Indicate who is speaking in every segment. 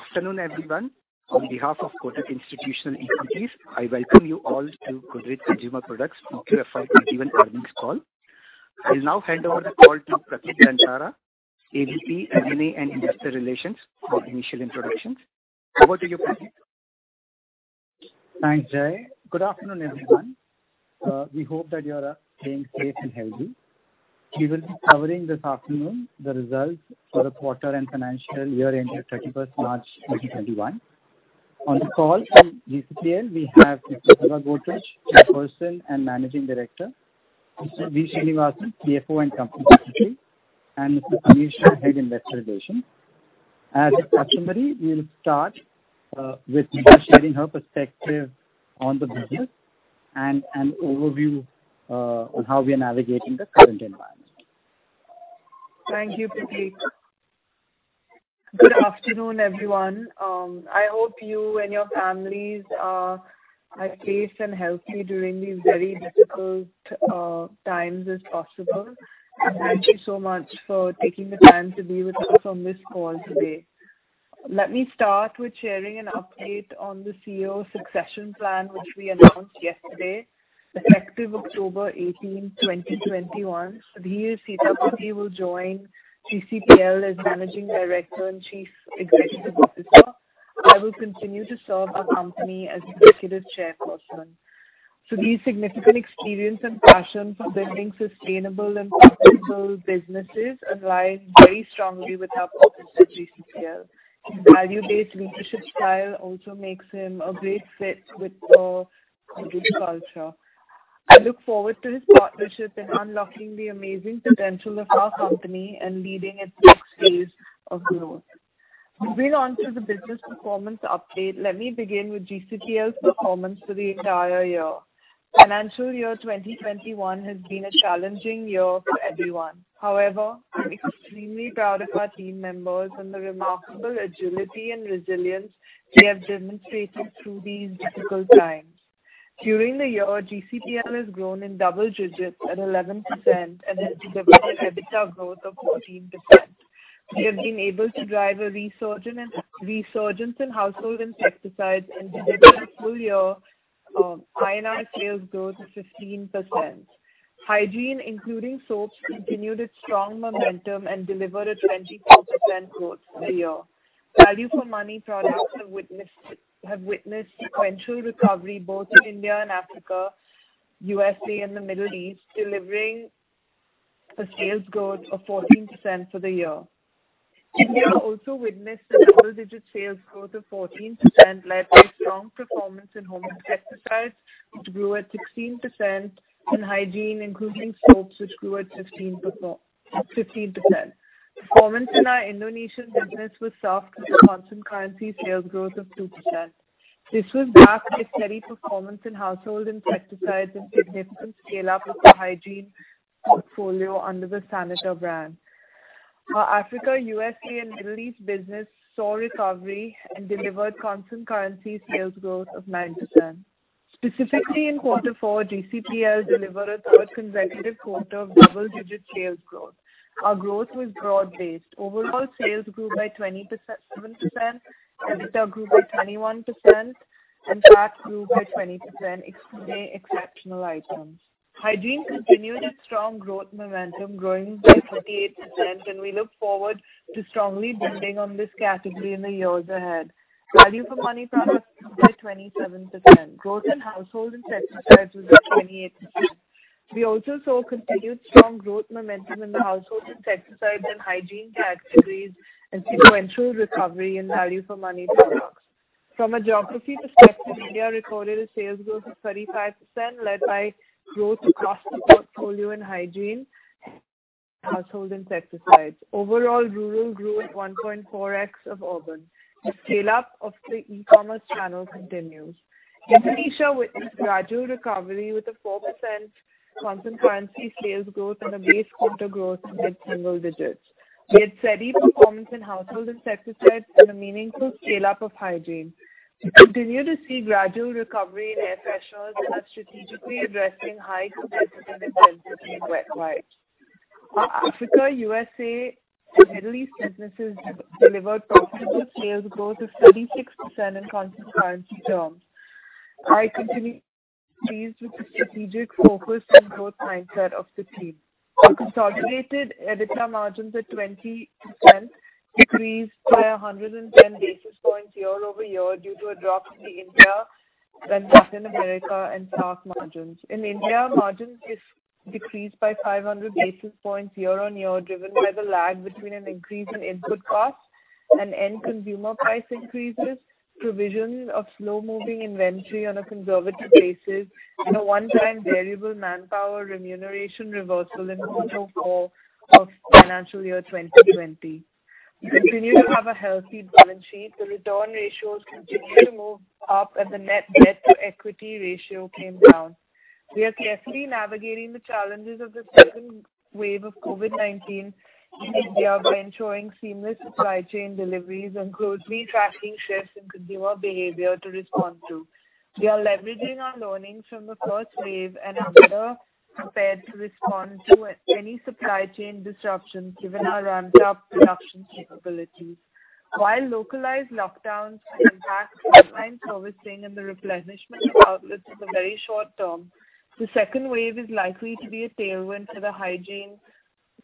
Speaker 1: Good afternoon, everyone. On behalf of Kotak Institutional Equities, I welcome you all to Godrej Consumer Products' Q4 FY 2021 Earnings Call. I'll now hand over the call to Pratik Dantara, AVP, M&A, and Investor Relations for initial introductions. Over to you, Pratik.
Speaker 2: Thanks, Jai. Good afternoon, everyone. We hope that you are staying safe and healthy. We will be covering this afternoon the results for the quarter and financial year ending March 31st, 2021. On the call from GCPL, we have Mrs. Nisaba Godrej, Chairperson and Managing Director; Mr. V. Srinivasan, CFO and Company Secretary; and Mr.Sameer Shah, Head Investor Relations. As is customary, we'll start with Nisa sharing her perspective on the business and an overview on how we are navigating the current environment.
Speaker 3: Thank you, Pratik. Good afternoon, everyone. I hope you and your families are safe and healthy during these very difficult times as possible. Thank you so much for taking the time to be with us on this call today. Let me start with sharing an update on the CEO succession plan, which we announced yesterday. Effective October 18, 2021, Sudhir Sitapati will join GCPL as Managing Director and Chief Executive Officer. I will continue to serve our company as Executive Chairperson. Sudhir's significant experience and passion for building sustainable and profitable businesses align very strongly with our purpose at GCPL. His value-based leadership style also makes him a great fit with our Godrej culture. I look forward to his partnership in unlocking the amazing potential of our company and leading its next phase of growth. Moving on to the business performance update, let me begin with GCPL's performance for the entire year. Financial year 2021 has been a challenging year for everyone. However, I'm extremely proud of our team members and the remarkable agility and resilience they have demonstrated through these difficult times. During the year, GCPL has grown in double digits at 11% and has delivered an EBITDA growth of 14%. We have been able to drive a resurgence in household insecticides and delivered a full-year INR sales growth of 15%. Hygiene, including soaps, continued its strong momentum and delivered a 24% growth for the year. Value for money products have witnessed sequential recovery both in India and Africa, USA, and the Middle East, delivering a sales growth of 14% for the year. India also witnessed a double-digit sales growth of 14%, led by strong performance in home insecticides, which grew at 16%, and hygiene, including soaps, which grew at 15%. Performance in our Indonesian business was soft with a constant currency sales growth of 2%. This was backed by steady performance in Household Insecticides and significant scale-up of the hygiene portfolio under the Saniter brand. Our Africa, USA, and Middle East business saw recovery and delivered constant currency sales growth of 9%. Specifically, in Quarter Four, GCPL delivered its third consecutive quarter of double-digit sales growth. Our growth was broad-based. Overall sales grew by 27%, EBITDA grew by 21%, and PAT grew by 20%, excluding exceptional items. Hygiene continued its strong growth momentum, growing by 38%, and we look forward to strongly building on this category in the years ahead. Value for money products grew by 27%. Growth in household insecticides was at 28%. We also saw continued strong growth momentum in the household insecticides and hygiene categories and sequential recovery in value for money products. From a geography perspective, India recorded a sales growth of 35%, led by growth across the portfolio in hygiene and household insecticides. Overall, rural grew at 1.4x of urban. The scale-up of the e-commerce channel continues. Indonesia witnessed gradual recovery with a 4% constant currency sales growth and a base quarter growth in mid-single digits. We had steady performance in household insecticides and a meaningful scale-up of hygiene. We continue to see gradual recovery in air fresheners and are strategically addressing high potential intensity in wet wipes. Our Africa, U.S.A., and Middle East businesses delivered profitable sales growth of 36% in constant currency terms. I continue to be pleased with the strategic focus and growth mindset of the team. Our consolidated EBITDA margins at 20% decreased by 110 basis points year-over-year due to a drop in the India and Latin America and SAARC margins. In India, margins decreased by 500 basis points year-on-year, driven by the lag between an increase in input costs and end consumer price increases, provisions of slow-moving inventory on a conservative basis, and a one-time variable manpower remuneration reversal in Q4 of financial year 2020. We continue to have a healthy balance sheet. The return ratios continue to move up as the net debt to equity ratio came down. We are carefully navigating the challenges of the second wave of COVID-19 in India by ensuring seamless supply chain deliveries and closely tracking shifts in consumer behavior to respond to. We are leveraging our learnings from the first wave and are better prepared to respond to any supply chain disruptions given our ramped up production capabilities. While localized lockdowns impact frontline servicing and the replenishment of outlets is a very short term, the second wave is likely to be a tailwind for the hygiene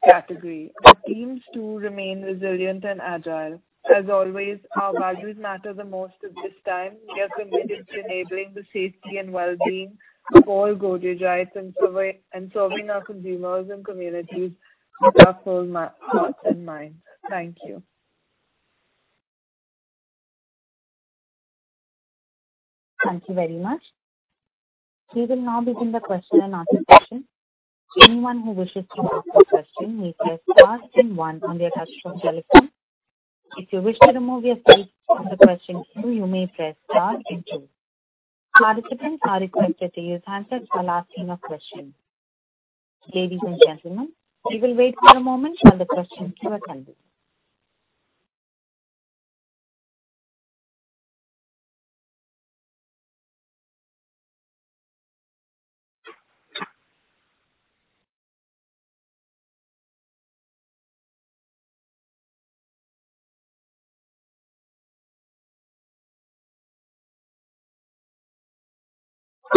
Speaker 3: category. The teams too remain resilient and agile. As always, our values matter the most at this time. We are committed to enabling the safety and well-being of all Godrejites and serving our consumers and communities with our whole hearts and minds. Thank you.
Speaker 4: Thank you very much. We will now begin the question and answer session. Anyone who wishes to ask a question may press star then one on their touch-tone telephone. If you wish to remove your status from the question queue, you may press star and two. Participants are requested to use handsets while asking a question. Ladies and gentlemen, we will wait for a moment while the questions queue are coming.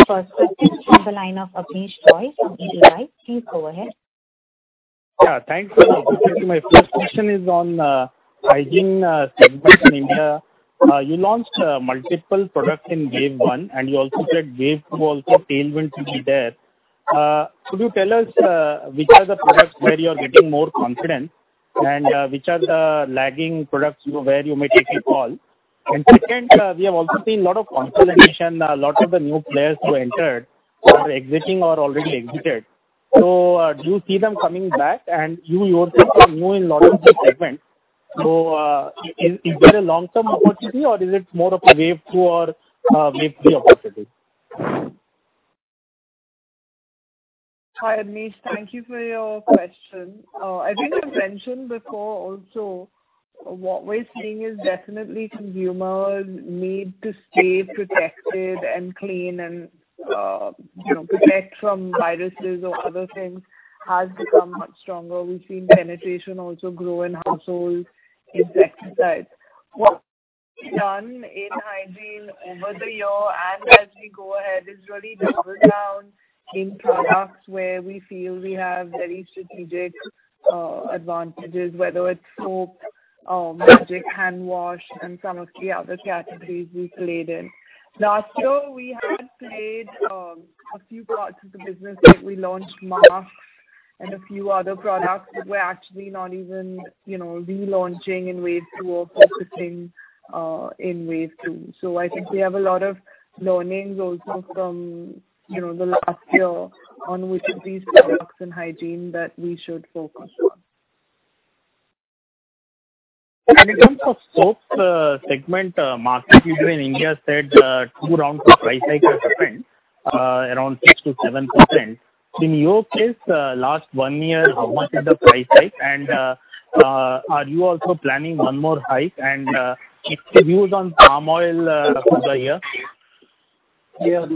Speaker 4: First question from the line of Abneesh Roy from Edelweiss. Please go ahead.
Speaker 5: Yeah, thanks. My first question is on hygiene segment in India. You launched multiple products in wave one. You also said wave two also tailwind should be there. Could you tell us which are the products where you are getting more confidence and which are the lagging products where you may take a call? Second, we have also seen a lot of consolidation. A lot of the new players who entered are exiting or already exited. Do you see them coming back? You yourself are new in a lot of these segments. Is there a long-term opportunity or is it more of a wave two or wave three opportunity?
Speaker 3: Hi, Abneesh. Thank you for your question. I think I've mentioned before also, what we're seeing is definitely consumer need to stay protected and clean and protect from viruses or other things has become much stronger. We've seen penetration also grow in household insecticides. What we've done in hygiene over the year and as we go ahead is really double down in products where we feel we have very strategic advantages, whether it's soap, Magic hand wash, and some of the other categories we played in. Last year, we had played a few parts of the business that we launched masks and a few other products that were actually not even relaunching in wave two or participating in wave two. I think we have a lot of learnings also from the last year on which of these products and hygiene that we should focus on.
Speaker 5: In terms of soaps segment, market leader in India said two rounds of price hike has happened, around 6%-7%. In your case, last one year, how much is the price hike and are you also planning one more hike and what's the views on palm oil for the year?
Speaker 6: Yeah, Abneesh. This is Sameer here. I think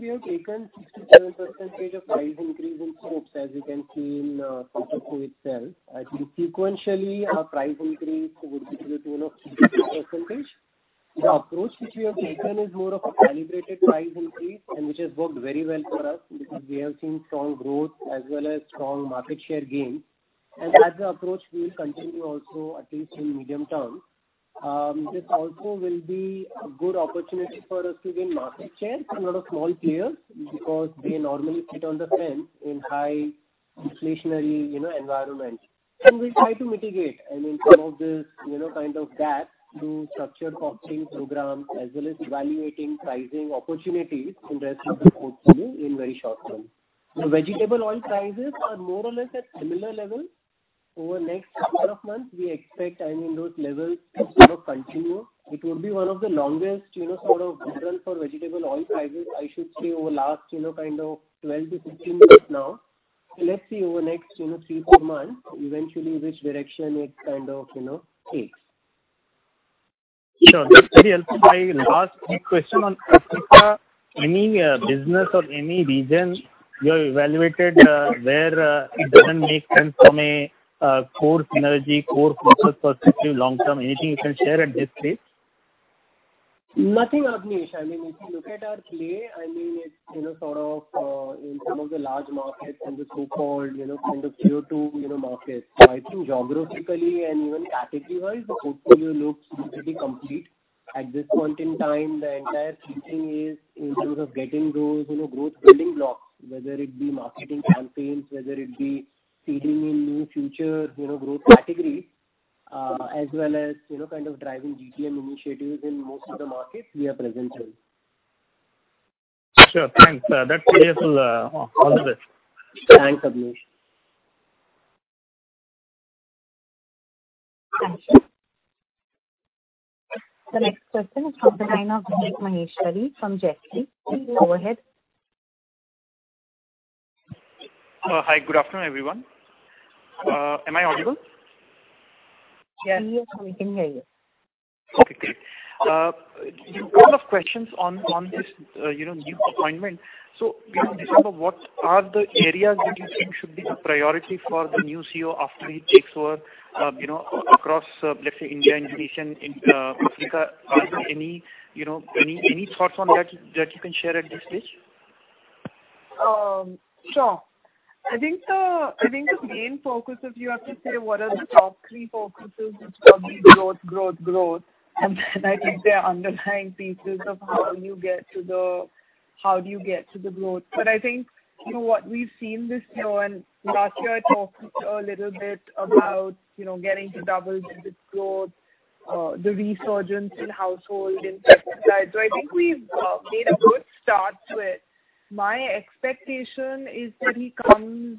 Speaker 6: we have taken 6 to 7 percentage of price increase in soaps, as you can see in quarter two itself. I think sequentially, our price increase would be to the tune of 3 to 4 percentage. The approach which we have taken is more of a calibrated price increase and which has worked very well for us because we have seen strong growth as well as strong market share gains. That's the approach we will continue also, at least in medium term. This also will be a good opportunity for us to gain market share from a lot of small players because they normally sit on the fence in high inflationary environment. We try to mitigate, I mean, some of this kind of gap through structured costing programs as well as evaluating pricing opportunities in rest of the portfolio in very short term. The vegetable oil prices are more or less at similar levels. Over next couple of months, we expect those levels to sort of continue. It would be one of the longest sort of runs for vegetable oil prices, I should say, over last kind of 12-15 months now. Let's see over next three-four months eventually which direction it kind of takes.
Speaker 5: Sure. That's very helpful. My last quick question. On Africa, any business or any region you have evaluated where it doesn't make sense from a core synergy, core focus perspective long-term? Anything you can share at this stage?
Speaker 6: Nothing, Abneesh. I mean, if you look at our play, I mean it's sort of in some of the large markets and the so-called kind of Tier 2 markets. I think geographically and even category-wise, the portfolio looks pretty complete. At this point in time, the entire thinking is in terms of getting those growth building blocks- whether it be marketing campaigns, whether it be seeding in new future growth categories, as well as kind of driving GTM initiatives in most of the markets we are present in.
Speaker 5: Sure. Thanks. That's useful. All the best.
Speaker 6: Thanks, Abneesh.
Speaker 4: Thank you. The next question is from the line of Vivek Maheshwari from Jefferies. Please go ahead.
Speaker 7: Hi. Good afternoon, everyone. Am I audible?
Speaker 4: Yes. He is waiting here.
Speaker 7: Okay, great. A lot of questions on this new appointment. Nisaba, what are the areas that you think should be the priority for the new CEO after he takes over across, let's say India, Indonesia, and Africa? Are there any thoughts on that you can share at this stage?
Speaker 3: Sure. I think the main focus, if you have to say, what are the top three focuses would probably be growth, growth. I think there are underlying pieces of how do you get to the growth. I think what we've seen this year, and last year I talked a little bit about getting to double-digit growth, the resurgence in household insecticides. I think we've made a good start to it. My expectation is that he comes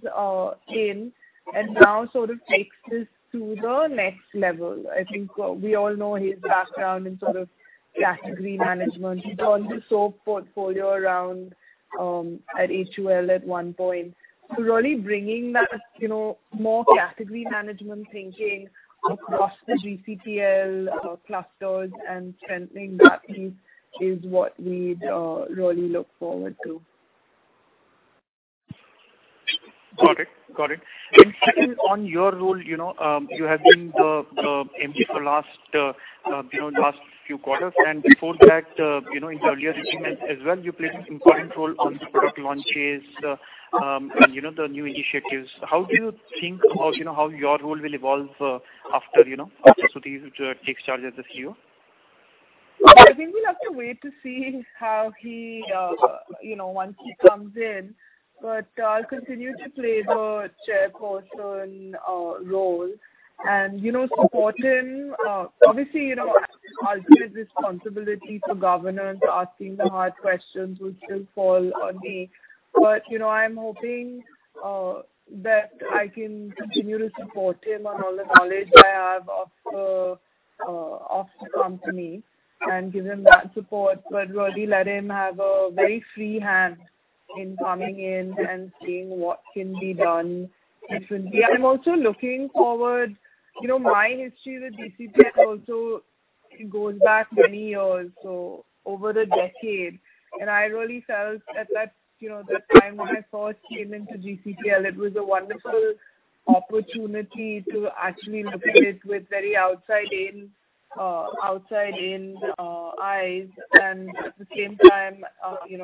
Speaker 3: in and now sort of takes this to the next level. I think we all know his background in category management. He turned the soap portfolio around at HUL at one point. Really bringing that more category management thinking across the GCPL clusters and strengthening that piece is what we'd really look forward to.
Speaker 7: Got it. Second, on your role, you have been the MD for the last few quarters, and before that, in the earlier regime as well, you played an important role on the product launches and the new initiatives. How do you think about how your role will evolve after Sudhir takes charge as the CEO?
Speaker 3: I think we'll have to wait to see once he comes in. I'll continue to play the chairperson role and support him. Obviously, ultimate responsibility for governance, asking the hard questions will still fall on me. I'm hoping that I can continue to support him on all the knowledge I have of the company and give him that support, but really let him have a very free hand in coming in and seeing what can be done differently. I'm also looking forward. My history with GCPL also goes back many years, so over a decade. I really felt at that time when I first came into GCPL, it was a wonderful opportunity to actually look at it with very outside-in eyes. At the same time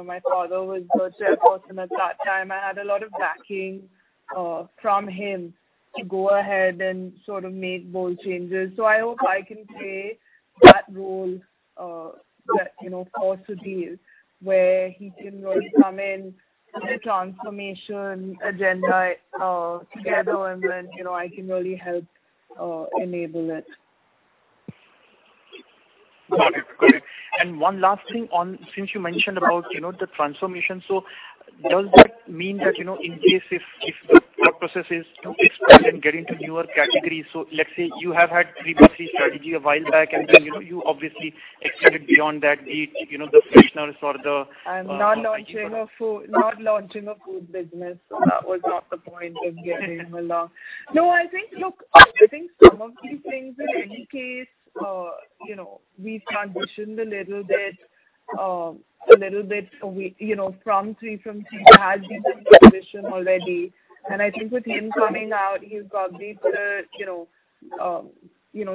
Speaker 3: my father was the chairperson at that time. I had a lot of backing from him to go ahead and sort of make bold changes. I hope I can play that role for Sudhir, where he can really come in with a transformation agenda together and then I can really help enable it.
Speaker 7: Got it. One last thing. Since you mentioned about the transformation. Does that mean that, in case if the thought process is to expand and get into newer categories? Let's say you have had 3-3 strategy a while back, you obviously expanded beyond that, the fresheners...
Speaker 3: I'm not launching a food business. That was not the point of getting him. No, I think some of these things, in any case, we've transitioned a little bit from three from two. There has been some transition already. I think with him coming out, he'll probably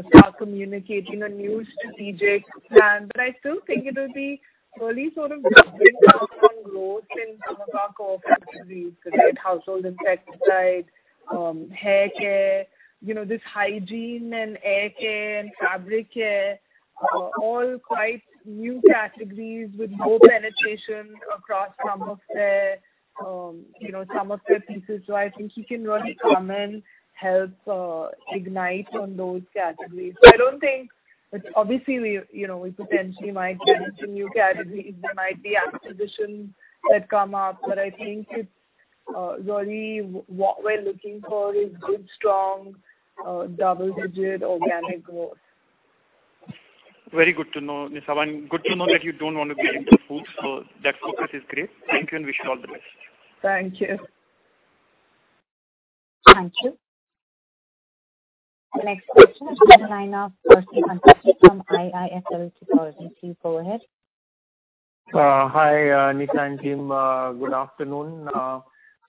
Speaker 3: start communicating a new strategic plan. I still think it'll be really sort of doubling down on growth in some of our core categories- be it household insecticide, haircare, this hygiene and air care and fabric care, all quite new categories with low penetration across some of their pieces. I think he can really come and help ignite on those categories. Obviously, we potentially might get into new categories. There might be acquisitions that come up, but I think it's really what we're looking for is good, strong, double-digit organic growth.
Speaker 7: Very good to know, Nisaba. Good to know that you don't want to get into foods. That focus is great. Thank you and wish you all the best.
Speaker 3: Thank you.
Speaker 4: Thank you. The next question is from Percy Panthaki from IIFL Securities. Please go ahead.
Speaker 8: Hi, Nisa and team. Good afternoon.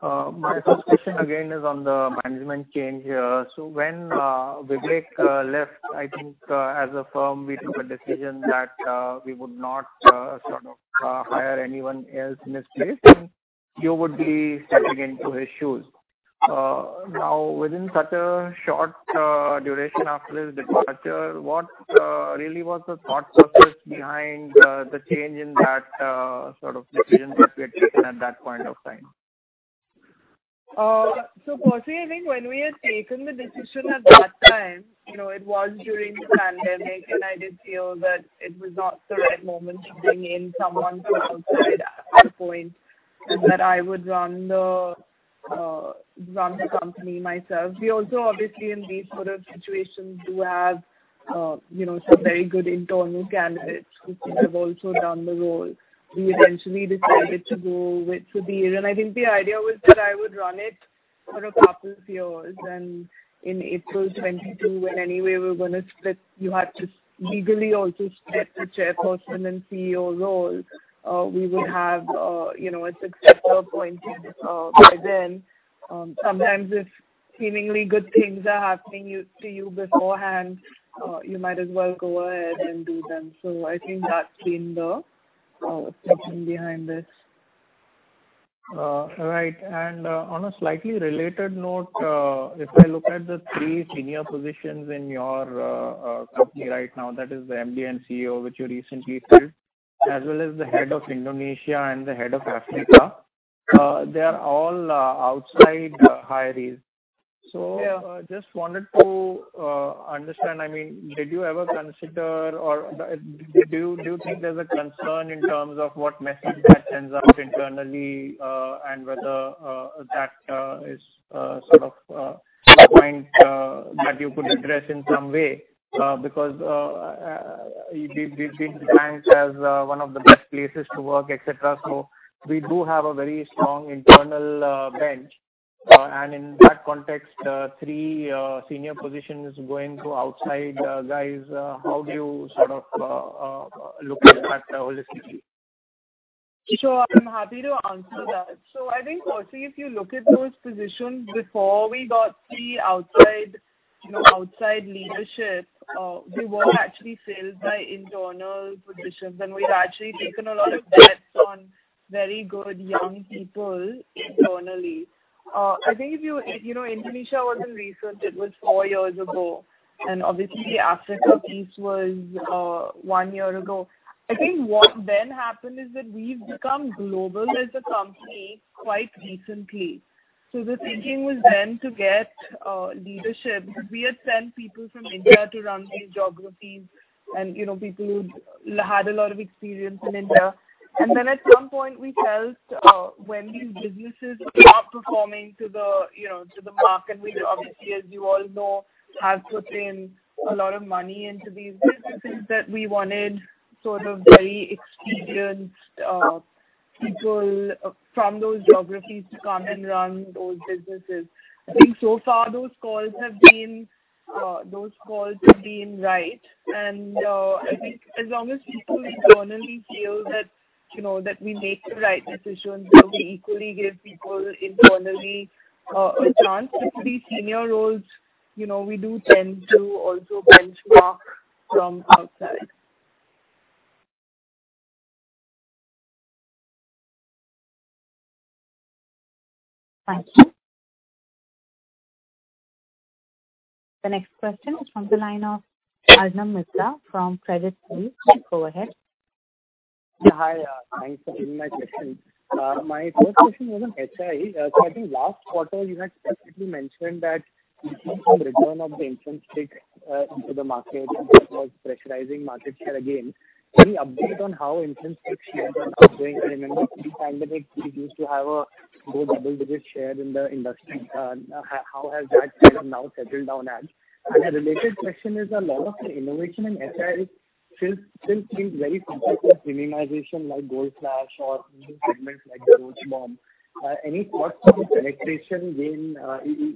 Speaker 8: My first question again is on the management change. When Vivek left, I think as a firm, we took a decision that we would not hire anyone else in his place, and you would be stepping into his shoes. Now, within such a short duration after his departure, what really was the thought process behind the change in that sort of decision that we had taken at that point of time?
Speaker 3: Percy, I think when we had taken the decision at that time, it was during the pandemic, and I did feel that it was not the right moment to bring in someone from outside at that point, and that I would run the company myself. We also, obviously, in these sort of situations do have some very good internal candidates who have also done the role. We eventually decided to go with Sudhir. I think the idea was that I would run it for a couple of years and in April 2022, when anyway we were going to split, you had to legally also split the Chairperson and CEO role. We would have a successor appointed by then. Sometimes if seemingly good things are happening to you beforehand, you might as well go ahead and do them. I think that's been the thinking behind this.
Speaker 8: Right. On a slightly related note, if I look at the three senior positions in your company right now, that is the MD and CEO, which you recently filled, as well as the Head of Indonesia and the Head of Africa. They are all outside hirees.
Speaker 3: Yeah.
Speaker 8: Just wanted to understand, did you ever consider or do you think there's a concern in terms of what message that sends out internally? Whether that is a point that you could address in some way because we've been ranked as one of the best places to work, et cetera. We do have a very strong internal bench. In that context, three senior positions going to outside guys. How do you look at that holistically?
Speaker 3: Sure. I'm happy to answer that. I think firstly, if you look at those positions before we got the outside leadership, we were actually filled by internal positions, and we'd actually taken a lot of bets on very good young people internally. I think Indonesia wasn't recent, it was four years ago. Obviously Africa piece was one year ago. What then happened is that we've become global as a company quite recently. The thinking was then to get leadership because we had sent people from India to run these geographies and people who had a lot of experience in India. At some point we felt when these businesses are performing to the mark, and we obviously, as you all know, have to bring a lot of money into these businesses that we wanted sort of very experienced people from those geographies to come and run those businesses. I think so far those calls have been right. I think as long as people internally feel that we make the right decisions, that we equally give people internally a chance. For these senior roles, we do tend to also benchmark from outside.
Speaker 4: Thank you. The next question is from the line of Arnab Mitra from Credit Suisse. Go ahead.
Speaker 9: Hi. Thanks for taking my question. My first question was on HI. I think last quarter you had specifically mentioned that return of the incense sticks into the market was pressurizing market share again. Any update on how incense stick shares are now doing? I remember pre-pandemic we used to have a low double-digit share in the industry. How has that now settled down at? A related question is a lot of the innovation in HI still seems very focused on premiumization like Goodknight Gold Flash or new segments like the Roach [gel]. Any thoughts on the penetration gain?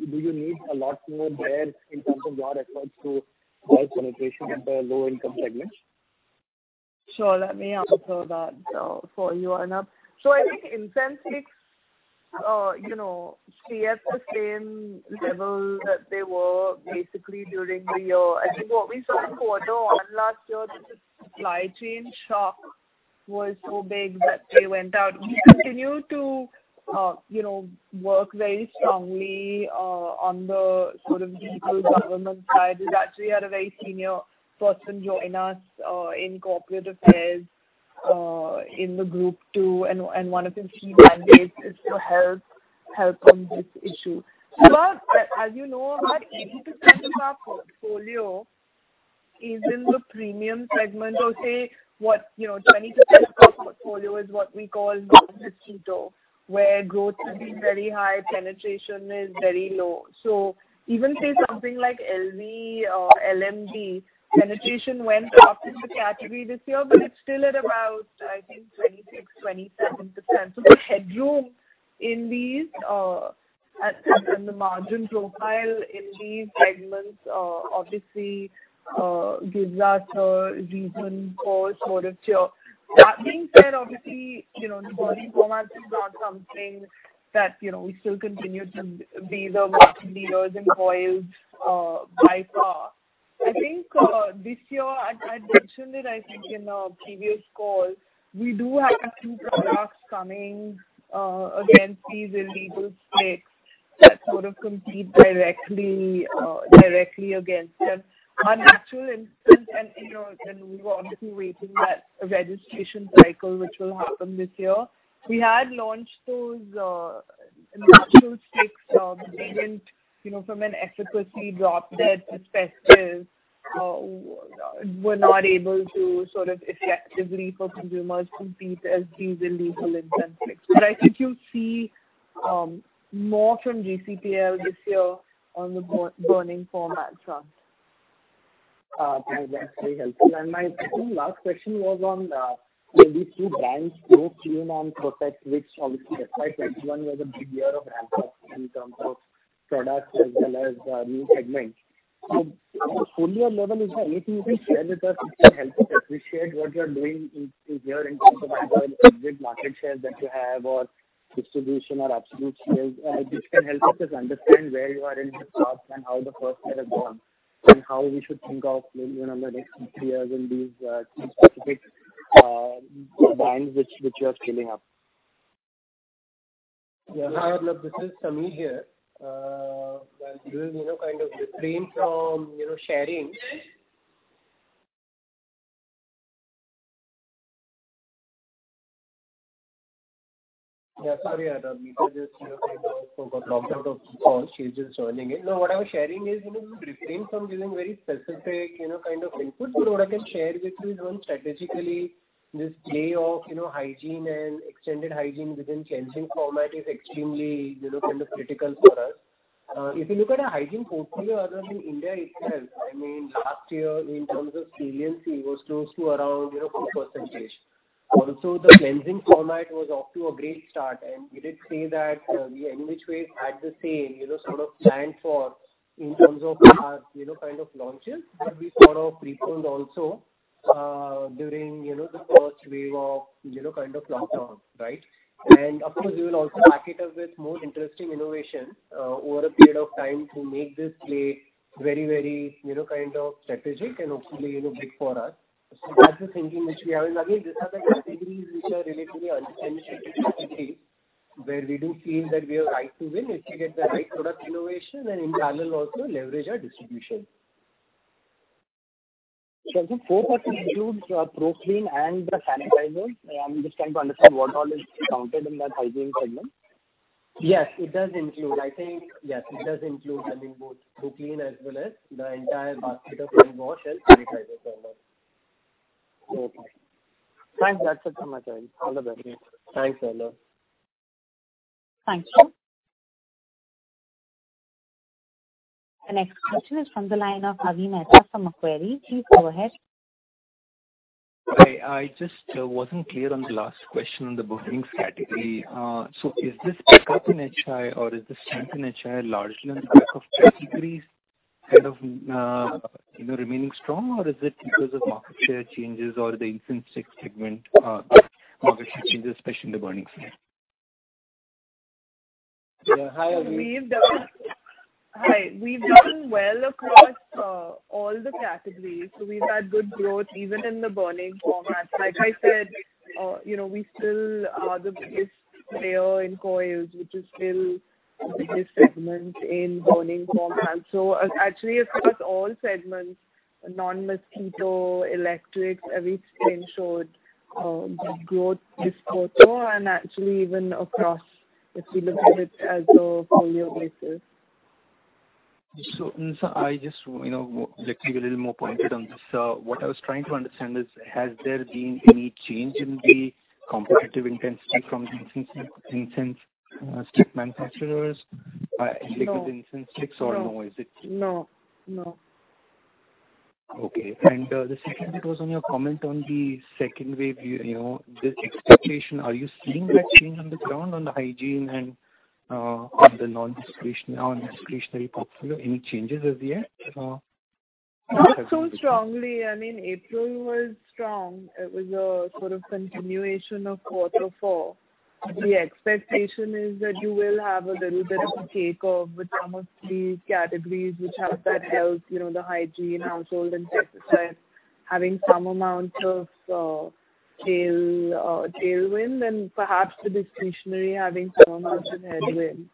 Speaker 9: Do you need a lot more there in terms of your efforts to drive penetration in the low-income segments?
Speaker 3: Sure. Let me answer that for you, Arnab. I think incense sticks stay at the same level that they were basically during the year. I think what we saw in Q1 last year was the supply chain shock was so big that they went out. We continue to work very strongly on the sort of the legal and government side. We actually had a very senior person join us in corporate affairs in the group too, and one of his key mandates is to help on this issue. As you know, about 80% of our portfolio is in the premium segment or say 20% of our portfolio is what we call non-mosquito, where growth has been very high, penetration is very low. Even say something like LV or LMD, penetration went up in the category this year, but it's still at about, I think, 26%-27%. The headroom and the margin profile in these segments obviously gives us a reason for sort of cheer. That being said, obviously, the burning formats is not something that we still continue to be the market leaders in coils by far. I think this year I'd mentioned it, I think in a previous call, we do have a few products coming against these illegal sticks that sort of compete directly against them. Our natural incense, we were obviously waiting that registration cycle, which will happen this year. We had launched those natural sticks. They didn't, from an efficacy drop test as best as, were not able to sort of effectively for consumers compete as these illegal incense sticks. I think you'll see More from GCPL this year on the burning formats front.
Speaker 9: That's very helpful. My second last question was on these two brands, ProClean and Protekt, which obviously despite H1 was a big year of ramp-up in terms of products as well as the new segment. At a portfolio level, is there anything you can share with us which can help us appreciate what you're doing here in terms of either the exit market share that you have or distribution or absolute shares, which can help us just understand where you are in the curve and how the first quarter has gone, and how we should think of maybe the next three years in these two specific brands which you are scaling up.
Speaker 6: Yeah. This is Sameer here. I will refrain from sharing. Sorry, Nisa just got logged out of call. She's just joining in. What I was sharing is, to refrain from giving very specific kind of input. What I can share with you is, strategically- this play of hygiene and extended hygiene within cleansing format is extremely critical for us. If you look at our hygiene portfolio, Arnab, in India itself, last year in terms of saliency was close to around 4%. Also, the cleansing format was off to a great start, and we did say that we anyway had the same sort of plan for in terms of our kind of launches. We sort of postponed also during the first wave of lockdown. Of course, we will also back it up with more interesting innovation over a period of time to make this play very strategic and hopefully big for us. That's the thinking which we have. Again, these are the categories which are relatively under-penetrated, where we do feel that we have right to win if we get the right product innovation, and in parallel also leverage our distribution.
Speaker 9: Does the 4% include ProClean and the sanitizers? I'm just trying to understand what all is counted in that hygiene segment.
Speaker 6: Yes, it does include, I think, yes, it does include having both ProClean as well as the entire basket of hand wash and sanitizers under.
Speaker 9: Okay. Thanks. That's it from my side. All the best.
Speaker 6: Thanks Arnab.
Speaker 4: Thank you. The next question is from the line of Avi Mehta from Macquarie. Please go ahead.
Speaker 10: Hi. I just wasn't clear on the last question on the burning category. Is this pickup in HI or is the strength in HI largely on the back of categories kind of remaining strong, or is it because of market share changes or the incense stick segment market share changes, especially in the burning segment?
Speaker 6: Yeah. Hi, Avi...
Speaker 3: Hi. We've done well across all the categories. We've had good growth even in the burning format. Like I said, we still are the biggest player in coils, which is still the biggest segment in burning format. Actually, across all segments- non-mosquito, electrics, every segment showed good growth this quarter, and actually even across if you look at it as a full year basis.
Speaker 10: Getting a little more pointed on this. What I was trying to understand is, has there been any change in the competitive intensity from the incense stick manufacturers?
Speaker 3: No.
Speaker 10: With incense sticks or no?
Speaker 3: No.
Speaker 10: Okay. The second bit was on your comment on the second wave, this expectation. Are you seeing that change on the ground on the hygiene and on the non-discretionary portfolio? Any changes as yet?
Speaker 3: Not so strongly- I mean, April was strong. It was a sort of continuation of quarter four. The expectation is that you will have a little bit of a take-off with some of these categories which have that health, the hygiene, household and pest control having some amount of tailwind and perhaps the discretionary having some amount of headwind.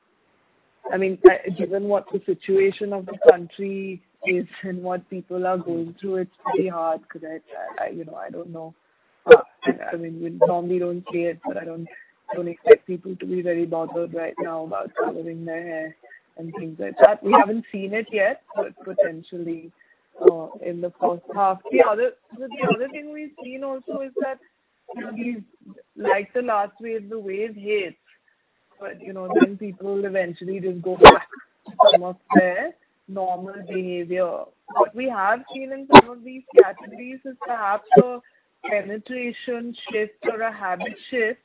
Speaker 3: Given what the situation of the country is and what people are going through, it's pretty hard to predict. I don't know. We normally don't play it, but I don't expect people to be very bothered right now about coloring their hair and things like that. We haven't seen it yet, but potentially in the first half. The other thing we've seen also is that, like the last wave, the wave hits, but then people eventually just go back to some of their normal behavior. What we have seen in some of these categories is perhaps a penetration shift or a habit shift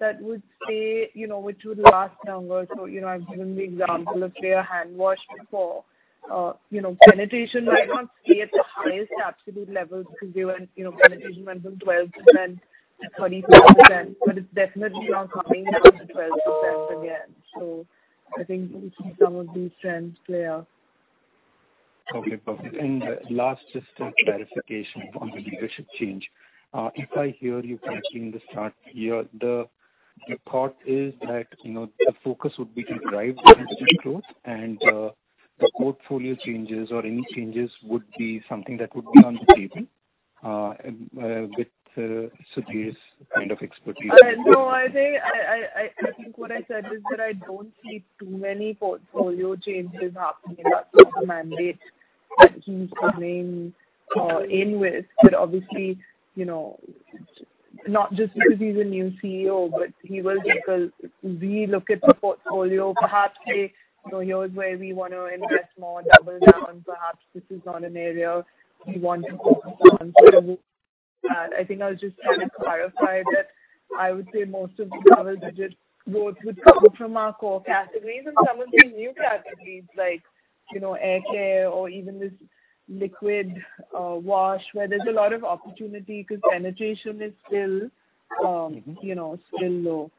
Speaker 3: that would stay, which would last longer. I've given the example of Fair Hand Wash before. Penetration might not stay at the highest absolute levels because penetration went from 12% to 34%, but it's definitely not coming down to 12% again. I think we see some of these trends play out.
Speaker 10: Okay, perfect. Last, just a clarification on the leadership change. If I hear you correctly in the start here, the thought is that the focus would be to drive the double digit growth and the portfolio changes or any changes would be something that would be on the table with Sudhir's kind of expertise.
Speaker 3: I think what I said is that I don't see too many portfolio changes happening. That's not the mandate that he's coming in with. Obviously, not just because he's a new CEO, but he will because we look at the portfolio, perhaps here's where we want to invest more, double down. Perhaps this is not an area we want to focus on. I think I'll just kind of clarify that I would say most of the double-digit growth would come from our core categories and some of the new categories like, hair care or even this liquid wash, where there's a lot of opportunity because penetration is still low.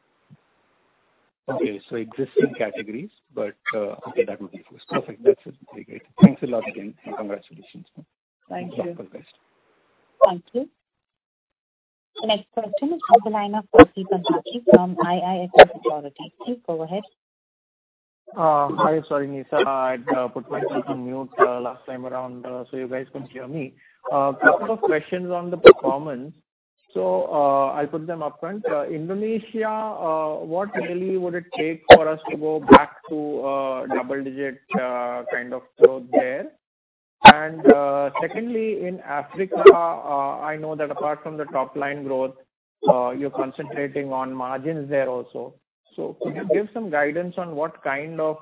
Speaker 10: Ok, existing categories- okay, that would be perfect. That's very great. Thanks a lot again, and congratulations.
Speaker 3: Thank you.
Speaker 10: All the best.
Speaker 4: Thank you. The next question is on the line of Percy Panthaki from IIFL Securities. Please go ahead.
Speaker 8: Hi. Sorry, Nisa. I'd put myself on mute last time around, so you guys couldn't hear me. Couple of questions on the performance. I'll put them upfront. Indonesia, what really would it take for us to go back to double-digit kind of growth there? Secondly, in Africa, I know that apart from the top-line growth, you're concentrating on margins there also. Could you give some guidance on what kind of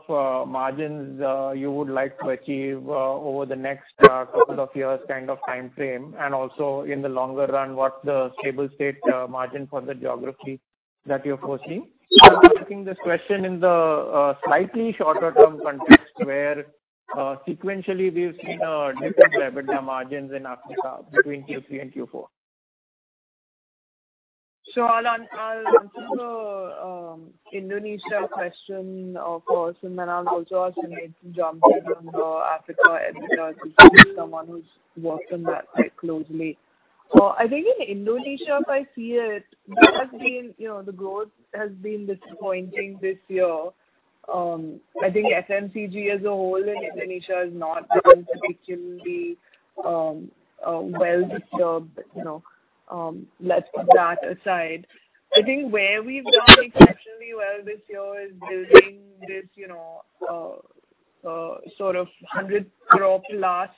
Speaker 8: margins you would like to achieve over the next couple of years kind of timeframe, and also in the longer run, what the stable state margin for the geography that you're foreseeing? I'm asking this question in the slightly shorter term context, where sequentially we've seen a dip in EBITDA margins in Africa between Q3 and Q4.
Speaker 3: I'll answer the Indonesia question, of course, and then I'll also ask Sameer Shah to jump in on Africa as he's someone who's worked on that quite closely. I think in Indonesia, if I see it, the growth has been disappointing this year. I think FMCG as a whole in Indonesia has not been particularly well, but, you know, let's put that aside. I think where we've done exceptionally well this year is building this sort of 100 crore plus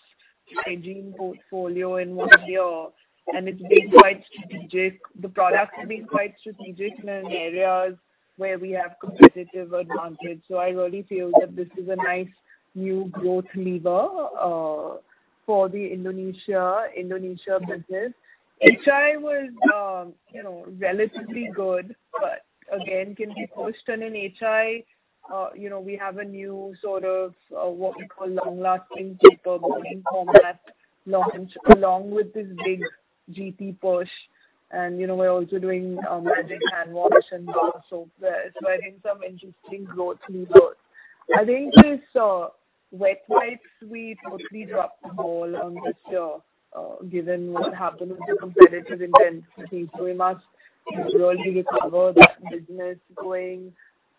Speaker 3: hygiene portfolio in one year, and it's been quite strategic. The products have been quite strategic in areas where we have competitive advantage. I really feel that this is a nice new growth lever for the Indonesia business. HI was relatively good, but again, can be pushed. In HI, we have a new sort of, what we call long-lasting cheaper burning format launch, along with this big GT push. We're also doing Magic Hand Wash and bar soap there. I think some interesting growth levers. I think this wet wipe suite mostly dropped the ball on this year, given what happened with the competitive intensity. We must really recover that business going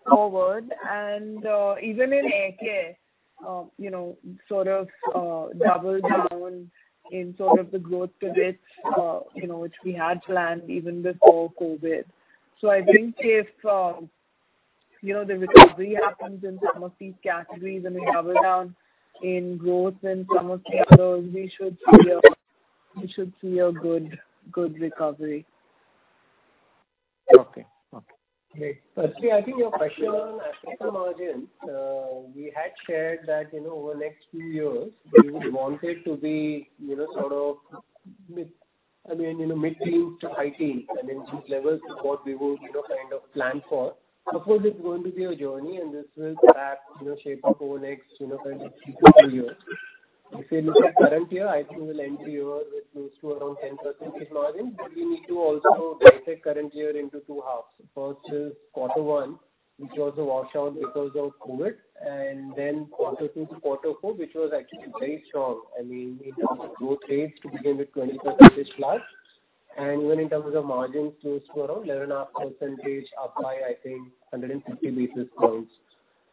Speaker 3: forward. Even in hair care, double down in sort of the growth pivots which we had planned even before COVID. I think if the recovery happens in some of these categories and we double down in growth in some of these areas, we should see a good recovery.
Speaker 8: Okay.
Speaker 6: Great. Percy, I think your question on Africa margins, we had shared that over the next few years, we would want it to be sort of mid-teens to high teens. These levels are what we would kind of plan for. Of course, it's going to be a journey, and this will track shape over the next two to three years. If you look at the current year, I think we'll end the year with close to around 10% margin. We need to also dissect the current year into two halves. First is quarter one, which was a washout because of COVID, and then quarter two to quarter four, which was actually very strong. We did growth rates to begin with 20%+, and even in terms of margins, close to around 11.5%, up by, I think, 150 basis points.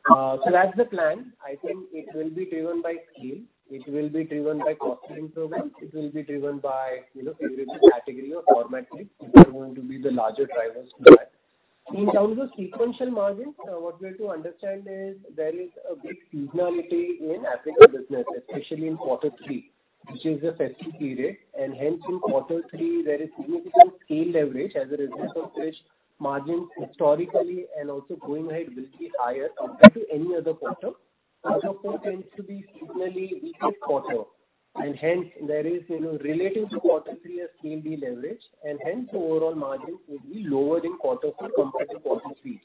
Speaker 6: That's the plan. I think it will be driven by scale. It will be driven by cost-improving programs. It will be driven by favorites in category or format plays. These are going to be the larger drivers to that. In terms of sequential margins, what we have to understand is there is a big seasonality in Africa business, especially in quarter three, which is the festive period, and hence in quarter three there is significant scale leverage as a result of which margins historically and also going ahead will be higher compared to any other quarter. Quarter four tends to be seasonally weakest quarter, and hence there is relative to quarter three, a scale deleverage, and hence overall margins will be lower in quarter four compared to quarter three.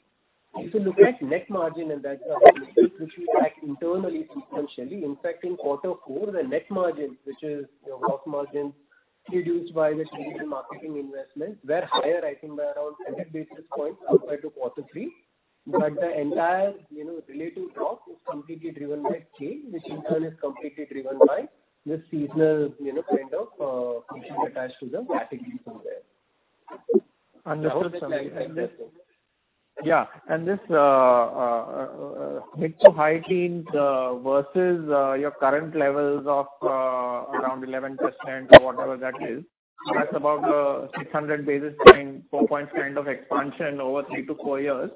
Speaker 6: If you look at net margin and that kind of a metric, which we track internally sequentially, in fact, in quarter four, the net margins, which is your gross margins reduced by the trade and marketing investments, were higher, I think, by around 100 basis points compared to quarter three. The entire relative drop is completely driven by change, which in turn is completely driven by the seasonal kind of function attached to the categories in there.
Speaker 8: Understood. Yeah. This mid to high teens versus your current levels around 11% or whatever that is- that's about 600 basis points, four points kind of expansion over three to four years.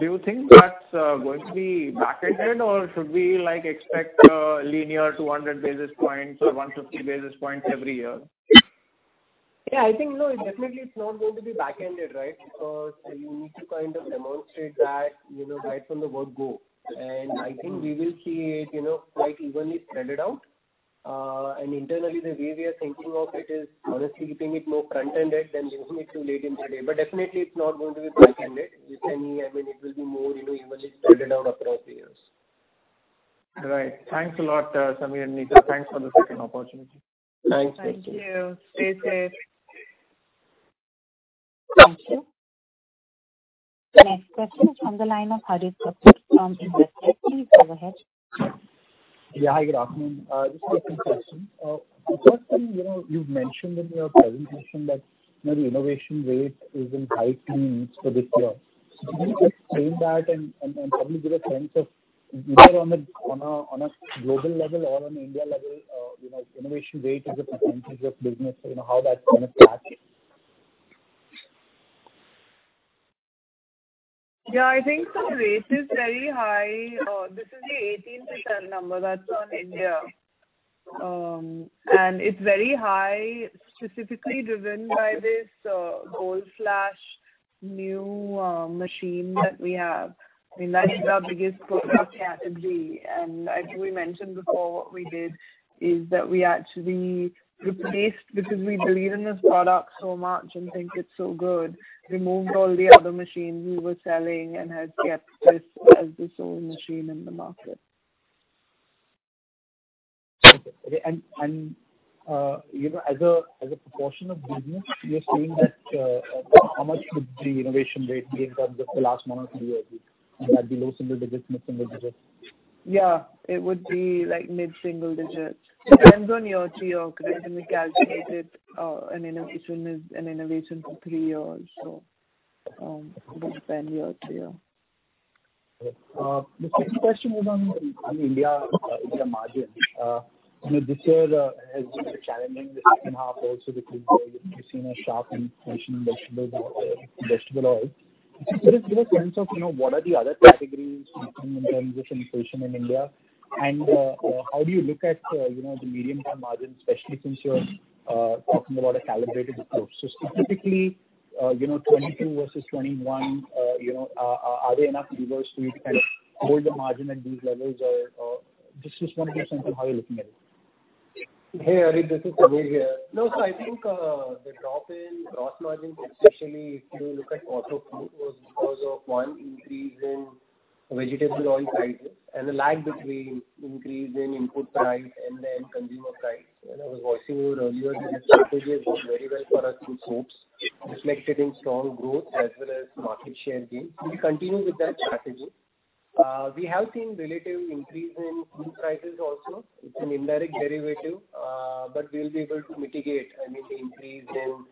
Speaker 8: Do you think that's going to be back-ended, or should we expect linear 200 basis points or 150 basis points every year?
Speaker 6: Yeah, I think, no, definitely it's not going to be back-ended, right? You need to kind of demonstrate that right from the word go. I think we will see it quite evenly spread out. Internally, the way we are thinking of it is, honestly keeping it more front-ended than leaving it too late in the day. Definitely it's not going to be back-ended. I mean, it will be more evenly spread out across the years.
Speaker 8: All right. Thanks a lot, Sameer and Nisa. Thanks for the second opportunity.
Speaker 6: Thanks.
Speaker 3: Thank you. Stay safe.
Speaker 4: Thank you. Next question is from the line of Harit Kapoor from Investec. Please go ahead.
Speaker 11: Yeah. Good afternoon. Just a few questions. First thing, you've mentioned in your presentation that the innovation rate is in high teens for this year. Could you just frame that and probably give a sense of either on a global level or on India level, innovation rate as a % of business, how that's going to track?
Speaker 3: Yeah, I think the rate is very high. This is the 18% number that's on India. It's very high, specifically driven by this Gold Flash new machine that we have. I mean, that is our biggest product category. As we mentioned before, what we did is that we actually replaced, because we believe in this product so much and think it's so good, removed all the other machines we were selling and have kept this as the sole machine in the market.
Speaker 11: Okay. As a proportion of business, you're saying that how much would the innovation rate be in terms of the last one or two years? That'd be low single digits, mid-single digits?
Speaker 3: Yeah, it would be like mid-single digits. Depends on year-to-year because we calculated an innovation for three years. It would depend year-to-year.
Speaker 11: The second question was on India margin. This year has been challenging, the second half also because we've seen a sharp inflation in vegetable oil. Could you just give a sense of what are the other categories in terms of inflation in India and how do you look at the medium-term margin, especially since you're talking about a calibrated approach? Specifically, FY 2022 versus FY 2021, are there enough levers for you to kind of hold the margin at these levels or just want a sense of how you're looking at it.
Speaker 6: Hey, Harit, this is Sameer here. I think, the drop in gross margins, especially if you look at also food, was because of, one, increase in vegetable oil prices and the lag between increase in input price and then consumer price. I was watching your earlier strategy has worked very well for us in soaps, reflected in strong growth as well as market share gains. We'll continue with that strategy. We have seen relative increase in food prices also. It's an indirect derivative, but we'll be able to mitigate any increase in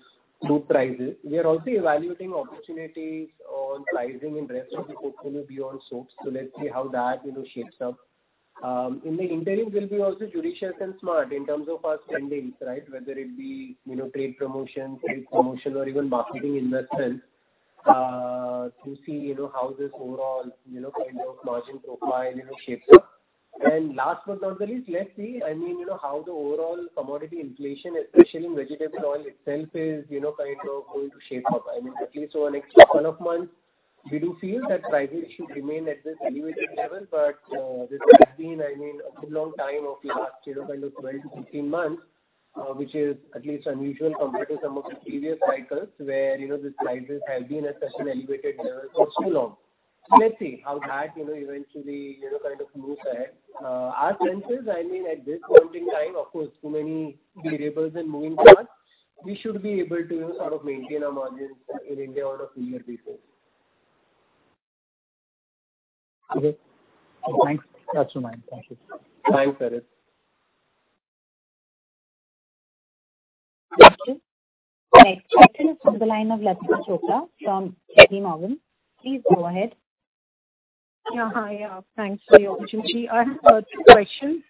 Speaker 6: food prices. We are also evaluating opportunities on pricing in rest of the portfolio beyond soaps. Let's see how that shapes up. In the interim, we'll be also judicious and smart in terms of our spendings, right? Whether it be trade promotions, field promotion, or even marketing investments, to see how this overall kind of margin profile shapes up. Last but not the least, let's see how the overall commodity inflation, especially in vegetable oil itself, is kind of going to shape up. I mean, at least for the next 12 months, we do feel that prices should remain at this elevated level. This has been a good long time of last kind of 12 to 15 months, which is at least unusual compared to some of the previous cycles where these prices have been at such an elevated level for so long. Let's see how that eventually kind of moves ahead. Our sense is, at this point in time, of course, too many variables and moving parts, we should be able to sort of maintain our margins in India on a year-to-year basis.
Speaker 11: Okay. Thanks. That's fine. Thank you.
Speaker 6: Bye, Harit.
Speaker 4: Next question. Next question is from the line of Latika Chopra from JPMorgan. Please go ahead.
Speaker 12: Yeah. Hi. Thanks for the opportunity. I have two questions.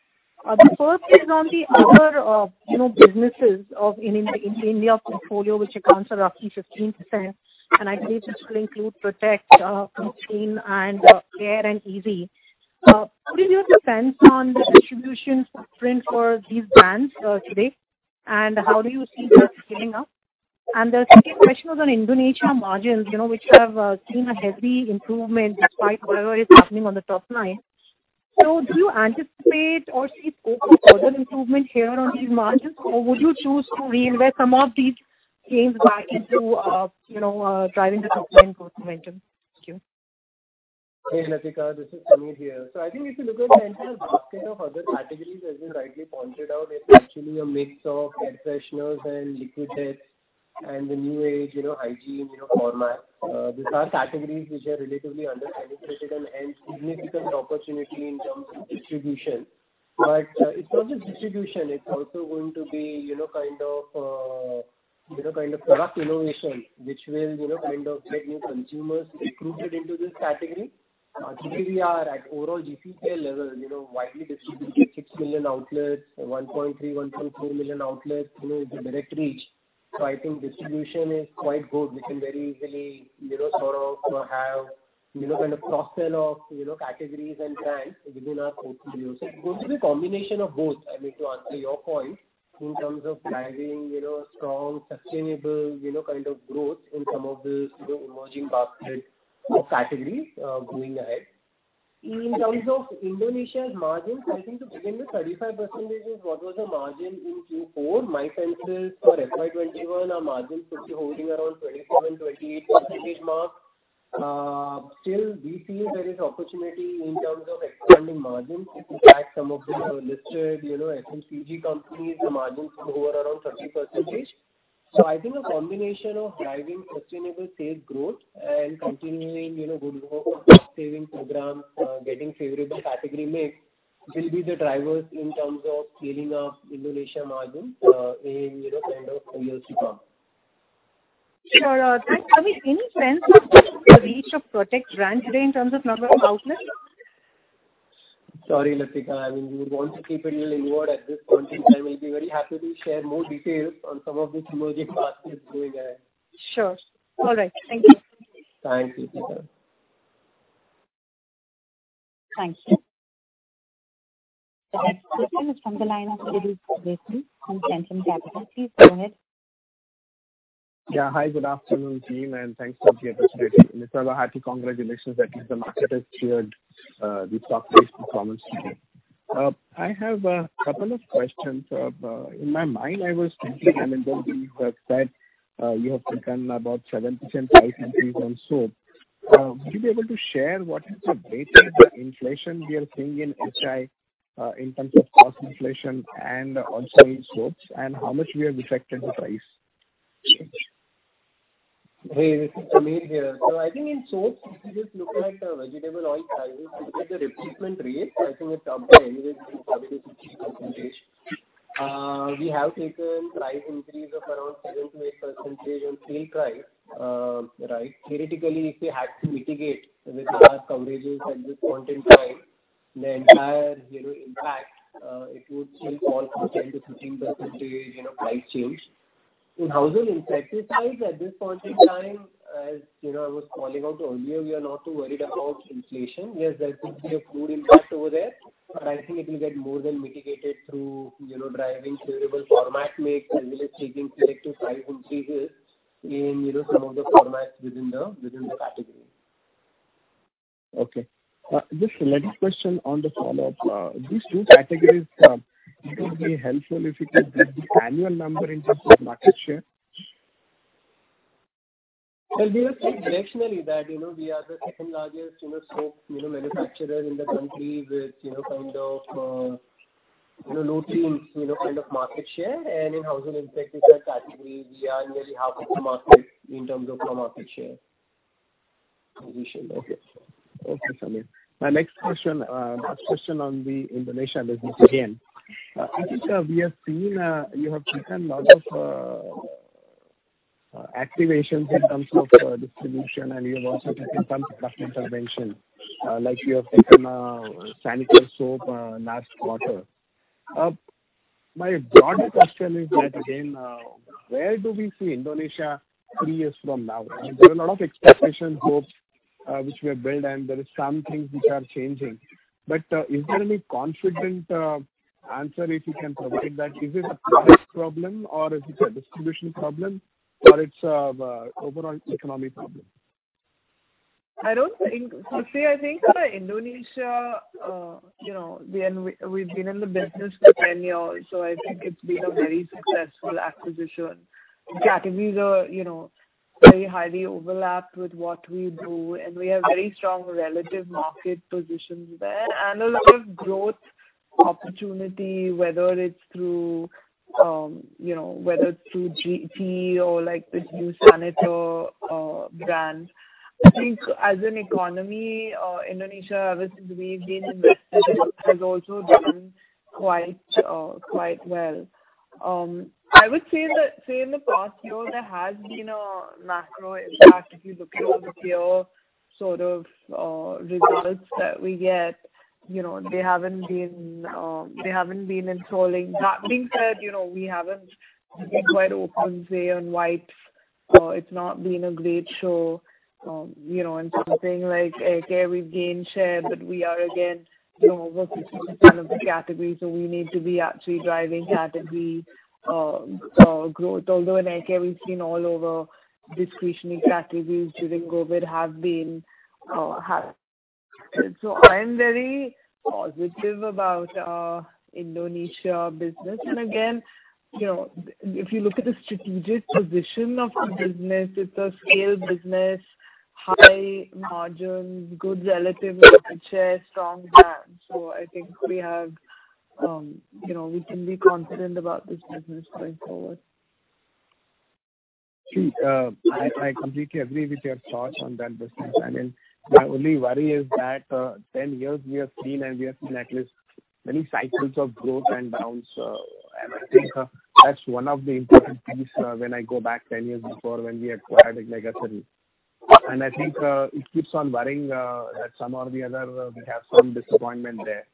Speaker 12: The first is on the other businesses of India portfolio, which accounts for roughly 15%, and I believe this will include Protekt, Clean & Care, and Ezee. Could you give your sense on the distribution footprint for these brands today, and how do you see that scaling up? The second question was on Indonesia margins, which have seen a healthy improvement despite whatever is happening on the top line. Do you anticipate or see scope for further improvement here on these margins, or would you choose to reinvest some of these gains back into driving the top-line growth momentum? Thank you.
Speaker 6: Hey, Latika. This is Sameer here. I think if you look at the entire basket of other categories, as you rightly pointed out, it's actually a mix of air fresheners and liquid soap and the new-age hygiene format. These are categories which are relatively under-penetrated and hence significant opportunity in terms of distribution. It's not just distribution, it's also going to be You know, product innovation, which will get new consumers recruited into this category. Since we are at overall GCPL level, widely distributed 6 million outlets, 1.3 million, 1.4 million outlets, with the direct reach. I think distribution is quite good. We can very easily sort of have cross-sell of categories and brands within our portfolio. It's going to be a combination of both, I mean, to answer your point, in terms of driving strong, sustainable kind of growth in some of these emerging basket of categories, going ahead. In terms of Indonesia's margins, I think to begin with, 35% is what was the margin in Q4. My sense is for FY 2021, our margin could be holding around 27, 28% mark. Still, we feel there is opportunity in terms of expanding margins. If you track some of the listed FMCG companies, the margins were around 30%. I think a combination of driving sustainable sales growth and continuing good work on cost-saving programs, getting favorable category mix will be the drivers in terms of scaling up Indonesia margin in kind of years to come.
Speaker 12: Sure. Thanks, Sameer. Any sense of the reach of Protekt brand today in terms of number of outlets?
Speaker 6: Sorry, Latika. I mean, we want to keep it a little inward at this point in time. We'll be very happy to share more details on some of these emerging baskets going ahead.
Speaker 12: Sure. All right. Thank you.
Speaker 6: Thank you, Latika.
Speaker 4: Thank you. The next question is from the line of Shirish Pardeshi from Centrum Capital. Please go ahead.
Speaker 13: Hi, good afternoon, team, thanks for the opportunity. First of all, hearty congratulations that at least the market has cheered the stock based on performance today. I have a couple of questions. In my mind, I was thinking, I mean, though we have said, you have taken about 7% price increase on soap. Would you be able to share what is the weighted inflation we are seeing in HI in terms of cost inflation and on soap, and how much we have reflected the price?
Speaker 6: Hey, this is Sameer here. I think in soaps, if you just look at vegetable oil prices, because the replacement rate, I think it's up by anywhere between 40%-50%. We have taken price increase of around 7%-8% on sale price. Theoretically, if we had to mitigate with our coverages at this point in time, the entire impact, it would still call for 10%-15% price change. In Household Insecticides, at this point in time, as I was calling out to earlier, we are not too worried about inflation. Yes, there could be a food impact over there, but I think it will get more than mitigated through driving favorable format mix as well as taking selective price increases in some of the formats within the category.
Speaker 13: Okay. Just the next question on the follow-up. These two categories, it would be helpful if you could give the annual number in terms of market share.
Speaker 6: Well, we were saying directionally that we are the second-largest soap manufacturers in the country with low teens kind of market share. In household insecticides category, we are nearly half of the market in terms of our market share position.
Speaker 13: Okay. Okay, Sameer. My next question, last question on the Indonesia business again. I think we have seen you have taken lot of activations in terms of distribution, and you have also taken some tough intervention. Like you have taken Saniter soap, last quarter. My broader question is that again, where do we see Indonesia three years from now? I mean, there are a lot of expectations, hopes, which were built, and there is some things which are changing. Is there any confident answer, if you can provide, that is it a price problem or is it a distribution problem or it's a overall economic problem?
Speaker 3: I don't think- firstly, I think Indonesia, we've been in the business for 10 years, so I think it's been a very successful acquisition. The categories are very highly overlapped with what we do, and we have very strong relative market positions there and a lot of growth opportunity, whether it's through HI or this new Saniter brand. I think as an economy, Indonesia, ever since we've been invested, has also done quite well. I would say in the past year, there has been a macro impact if you look at over here, sort of results that we get. They haven't been enthralling. That being said, we haven't been quite open, say, on wipes. It's not been a great show. On something like hair care, we've gained share, but we are again, we are 50% of the category, so we need to be actually driving category growth. Although in hair care, we've seen all over discretionary categories during COVID have been. I am very positive about our Indonesia business. Again, if you look at the strategic position of the business, it's a scale business, high margins, good relative market share, strong brands. I think we can be confident about this business going forward.
Speaker 13: I completely agree with your thoughts on that business. My only worry is that for 10 years we have seen at least many cycles of growth and downs. I think that's one of the important things when I go back 10 years before when we acquired Megasari. I think it keeps on worrying that some or the other we have some disappointment there.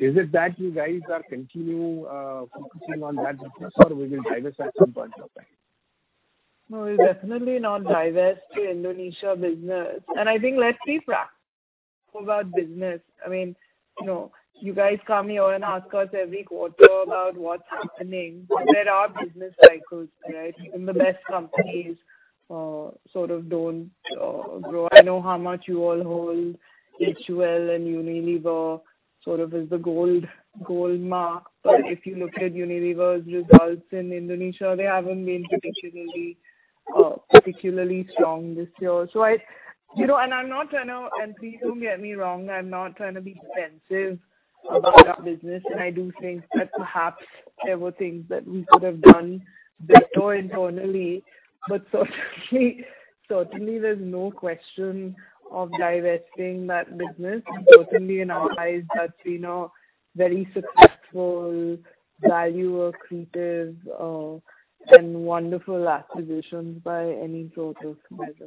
Speaker 13: Is it that you guys are continue focusing on that business or we will divest at some point of time?
Speaker 3: No, we'll definitely not divest Indonesia business. I think let's be practical about business. You guys come here and ask us every quarter about what's happening. There are business cycles, right? Even the best companies sort of don't grow. I know how much you all hold HUL and Unilever sort of as the gold mark. If you look at Unilever's results in Indonesia, they haven't been particularly strong this year. Please don't get me wrong, I'm not trying to be defensive about our business, and I do think that perhaps there were things that we could have done better internally, but certainly there's no question of divesting that business. Certainly in our eyes, that's been a very successful value accretive and wonderful acquisitions by any sort of measure.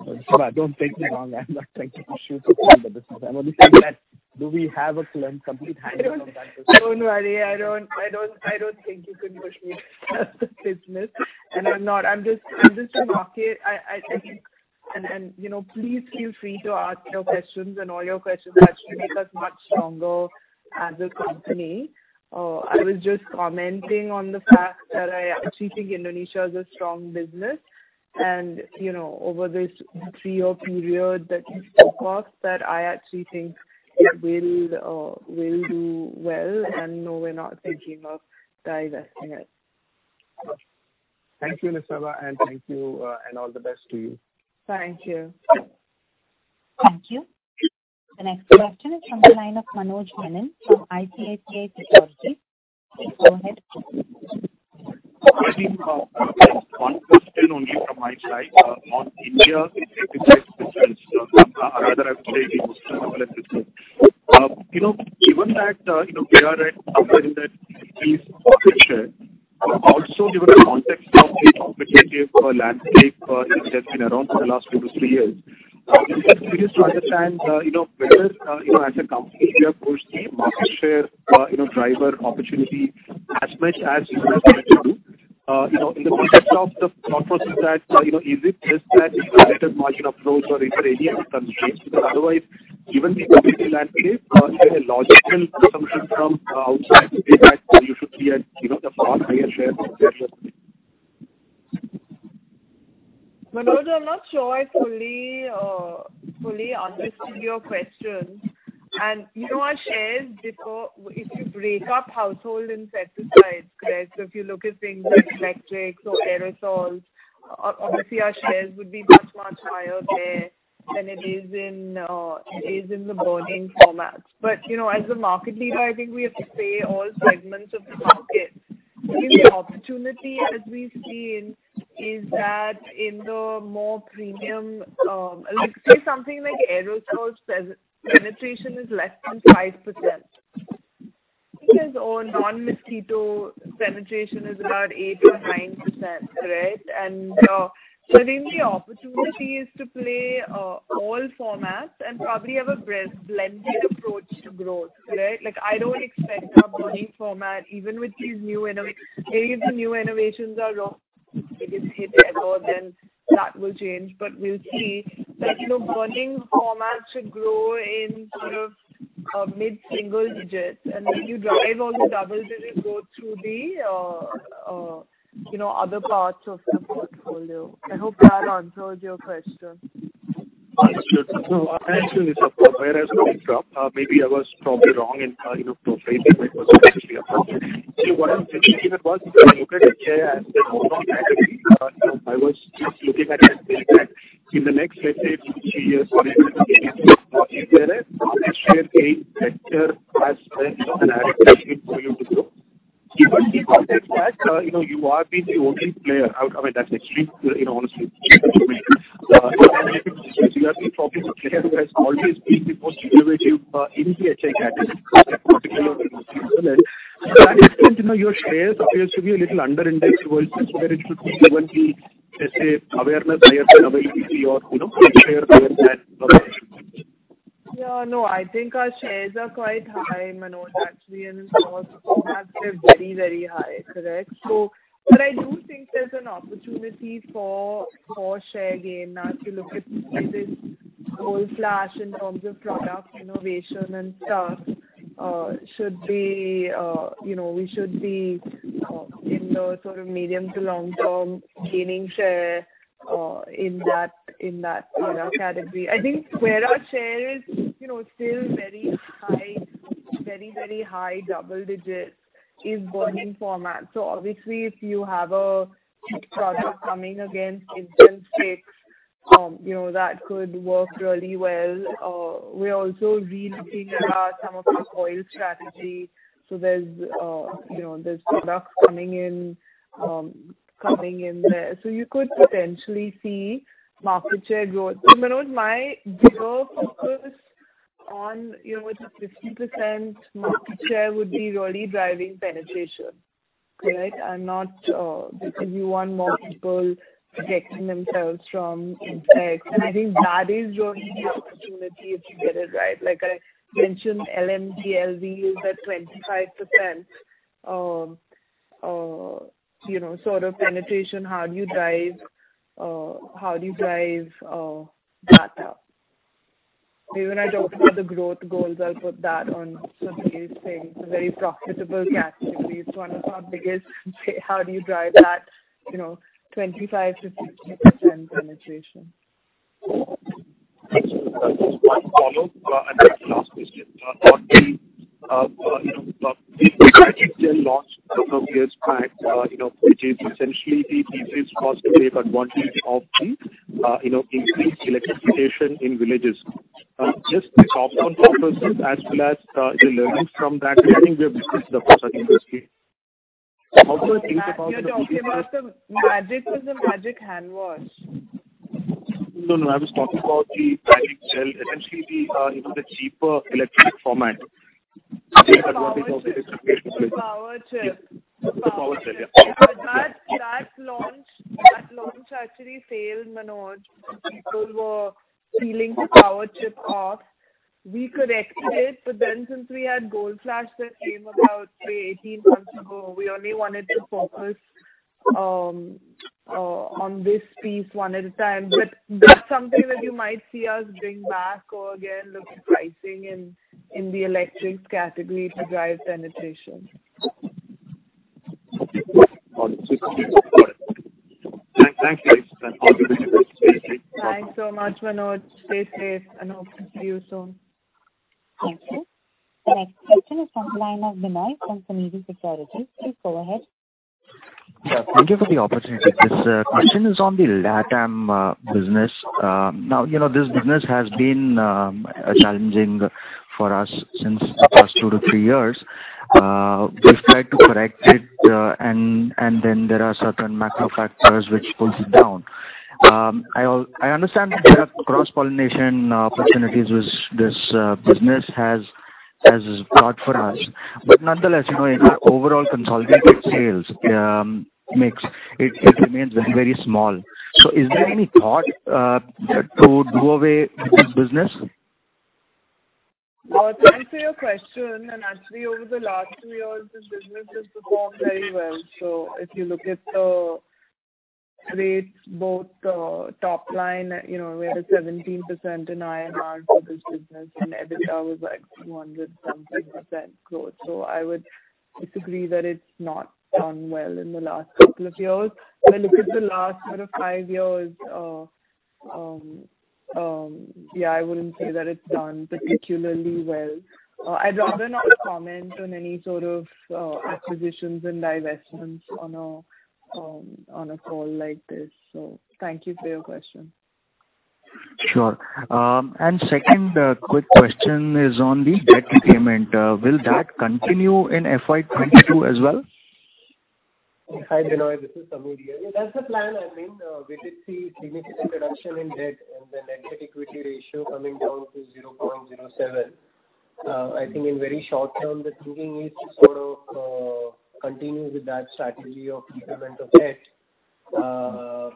Speaker 13: Nisaba, don't take me wrong. I'm not trying to push you to sell the business. I'm only saying that do we have a complete handle on that business?
Speaker 3: Don't worry, I don't think you can push me to sell the business. I'm just remarking- please feel free to ask your questions and all your questions actually make us much stronger as a company. I was just commenting on the fact that I actually think Indonesia is a strong business, and over this three-year period that you spoke of, that I actually think it will do well and no, we're not thinking of divesting it.
Speaker 13: Thank you, Nisaba, and thank you and all the best to you.
Speaker 3: Thank you.
Speaker 4: Thank you. The next question is from the line of Manoj Menon from ICICI Securities. Please go ahead.
Speaker 14: One question only from my side on India's Insecticide business. Rather, I would say the mosquito repellent business. Given that we are at somewhere in the 50% share, also given the context of the competitive landscape which has been around for the last two-three years, I'm just curious to understand whether as a company you have pushed the market share driver opportunity as much as you would have wanted to. In the context of the thought process that is it just that you have better margin uploads or if there are any other constraints. Otherwise, given the competitive landscape, a logical assumption from outside would be that you should be at a far higher share than this.
Speaker 3: Manoj, I'm not sure I fully understood your question. If you break up Household Insecticides, if you look at things like electrics or aerosols, obviously our shares would be much, much higher there than it is in the burning formats. As a market leader, I think we have to play all segments of the market. I think the opportunity as we see is that Let's say something like aerosols, penetration is less than 5%. I think non-mosquito penetration is about 8%-9%. I think the opportunity is to play all formats and probably have a blended approach to growth. I don't expect our burning format, even with these new innovations. Maybe if the new innovations are HIT that will change. We'll see that burning format should grow in sort of mid-single digits and you drive all the double-digit growth through the other parts of the portfolio. I hope that answers your question.
Speaker 14: Sure. Thank you, Nisaba. Where I was coming from, maybe I was probably wrong in phrasing it. It was partially a follow-up. What I'm thinking of was- if I look at HI as an overall category, I was just looking at it like that. In the next, let's say, two, three years or even five years, do you see there a share gain vector as an aggregation for you to grow? Given the context that you are being the only player. I mean, that's extreme, honestly. Or let me put it this way, you have been probably the player who has always been the most innovative in the HI category, particularly your shares appears to be a little underindexed versus where it should be given the awareness, availability or share build.
Speaker 3: No, I think our shares are quite high, Manoj, actually. In some formats they're very, very high. I do think there's an opportunity for share gain as you look at this Gold Flash in terms of product innovation and stuff. We should be in the sort of medium to long term gaining share in that category. I think where our share is still very high, very, very high double digits is burning format. Obviously if you have a product coming against incense sticks. That could work really well. We are also relooking at some of our coil strategy. There's products coming in there. You could potentially see market share growth. Manoj, my bigger focus on the 50% market share would be really driving penetration. Correct? Because you want more people protecting themselves from insects. I think that is really the opportunity if you get it right. Like I mentioned, LMG LV is at 25% sort of penetration. How do you drive that up? Maybe when I talk about the growth goals, I will put that on Sameer's thing. It's a very profitable category. It's one of our biggest. How do you drive that 25% to 50% penetration?
Speaker 14: Just one follow, then the last question. On the Magic Gel launch a couple of years back which is essentially the cheapest cost to take advantage of the increased electrification in villages. Just the top-line focuses as well as the learnings from that. I think we have visited the category this week. How do you think about the...
Speaker 3: You're talking about the Magic, as in Magic Hand Wash?
Speaker 14: No, I was talking about the Magic Gel. Essentially, the cheaper electric format.
Speaker 3: Oh, Power Chip.
Speaker 14: The Power Chip, yeah.
Speaker 3: That launch actually failed, Manoj. People were peeling the Power Chip off. We corrected it. Since we had Gold Flash that came about, say, 18 months ago, we only wanted to focus on this piece one at a time. That's something that you might see us bring back or again, look at pricing in the electrics category to drive penetration.
Speaker 14: Got it. Thank you.
Speaker 3: Thanks so much, Manoj. Stay safe and hope to see you soon.
Speaker 4: Thank you. The next question is from the line of Binoy from Sunidhi Securities. Please go ahead.
Speaker 15: Yeah, thank you for the opportunity. This question is on the LATAM business. Now, this business has been challenging for us since the past two to three years. We've tried to correct it, and then there are certain macro factors which pulls it down. I understand that there are cross-pollination opportunities which this business has brought for us. Nonetheless, in our overall consolidated sales mix, it remains very small. Is there any thought to do away with this business?
Speaker 3: Thank you for your question. Actually, over the last three years, this business has performed very well. If you look at the rates, both top line, we had a 17% in INR for this business, and EBITDA was like 200-something percent growth. I would disagree that it's not done well in the last couple of years. If I look at the last sort of five years, yeah, I wouldn't say that it's done particularly well. I'd rather not comment on any sort of acquisitions and divestments on a call like this. Thank you for your question.
Speaker 15: Sure. Second quick question is on the debt repayment. Will that continue in FY 2022 as well?
Speaker 6: Hi, Binoy, this is Sameer. That's the plan. We did see significant reduction in debt and the net debt equity ratio coming down to 0.07. I think in very short term, the thinking is to sort of continue with that strategy of repayment of debt.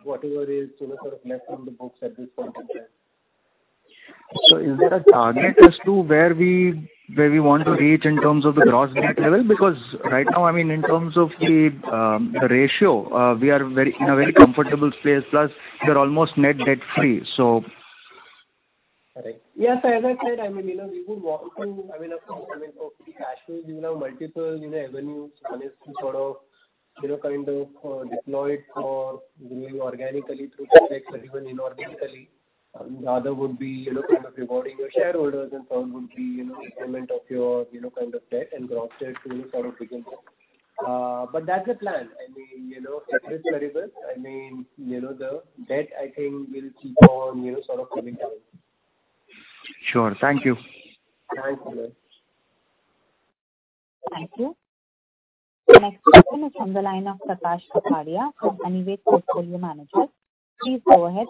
Speaker 6: Whatever is left on the books at this point in time.
Speaker 15: Is there a target as to where we want to reach in terms of the gross debt level? Because right now, in terms of the ratio, we are in a very comfortable space. Plus, we are almost net debt-free.
Speaker 6: Correct. Yes, as I said, we would want from a free cash flow, you will have multiple avenues. One is to kind of deploy it for growing organically through CapEx or even inorganically. The other would be kind of rewarding your shareholders, third would be repayment of your kind of debt and gross debt to sort of become zero. That's the plan. If it's very good, the debt, I think, will keep on sort of coming down.
Speaker 15: Sure. Thank you.
Speaker 4: Thank you. The next question is from the line of Prakash Kapadia from Anived Portfolio Managers. Please go ahead.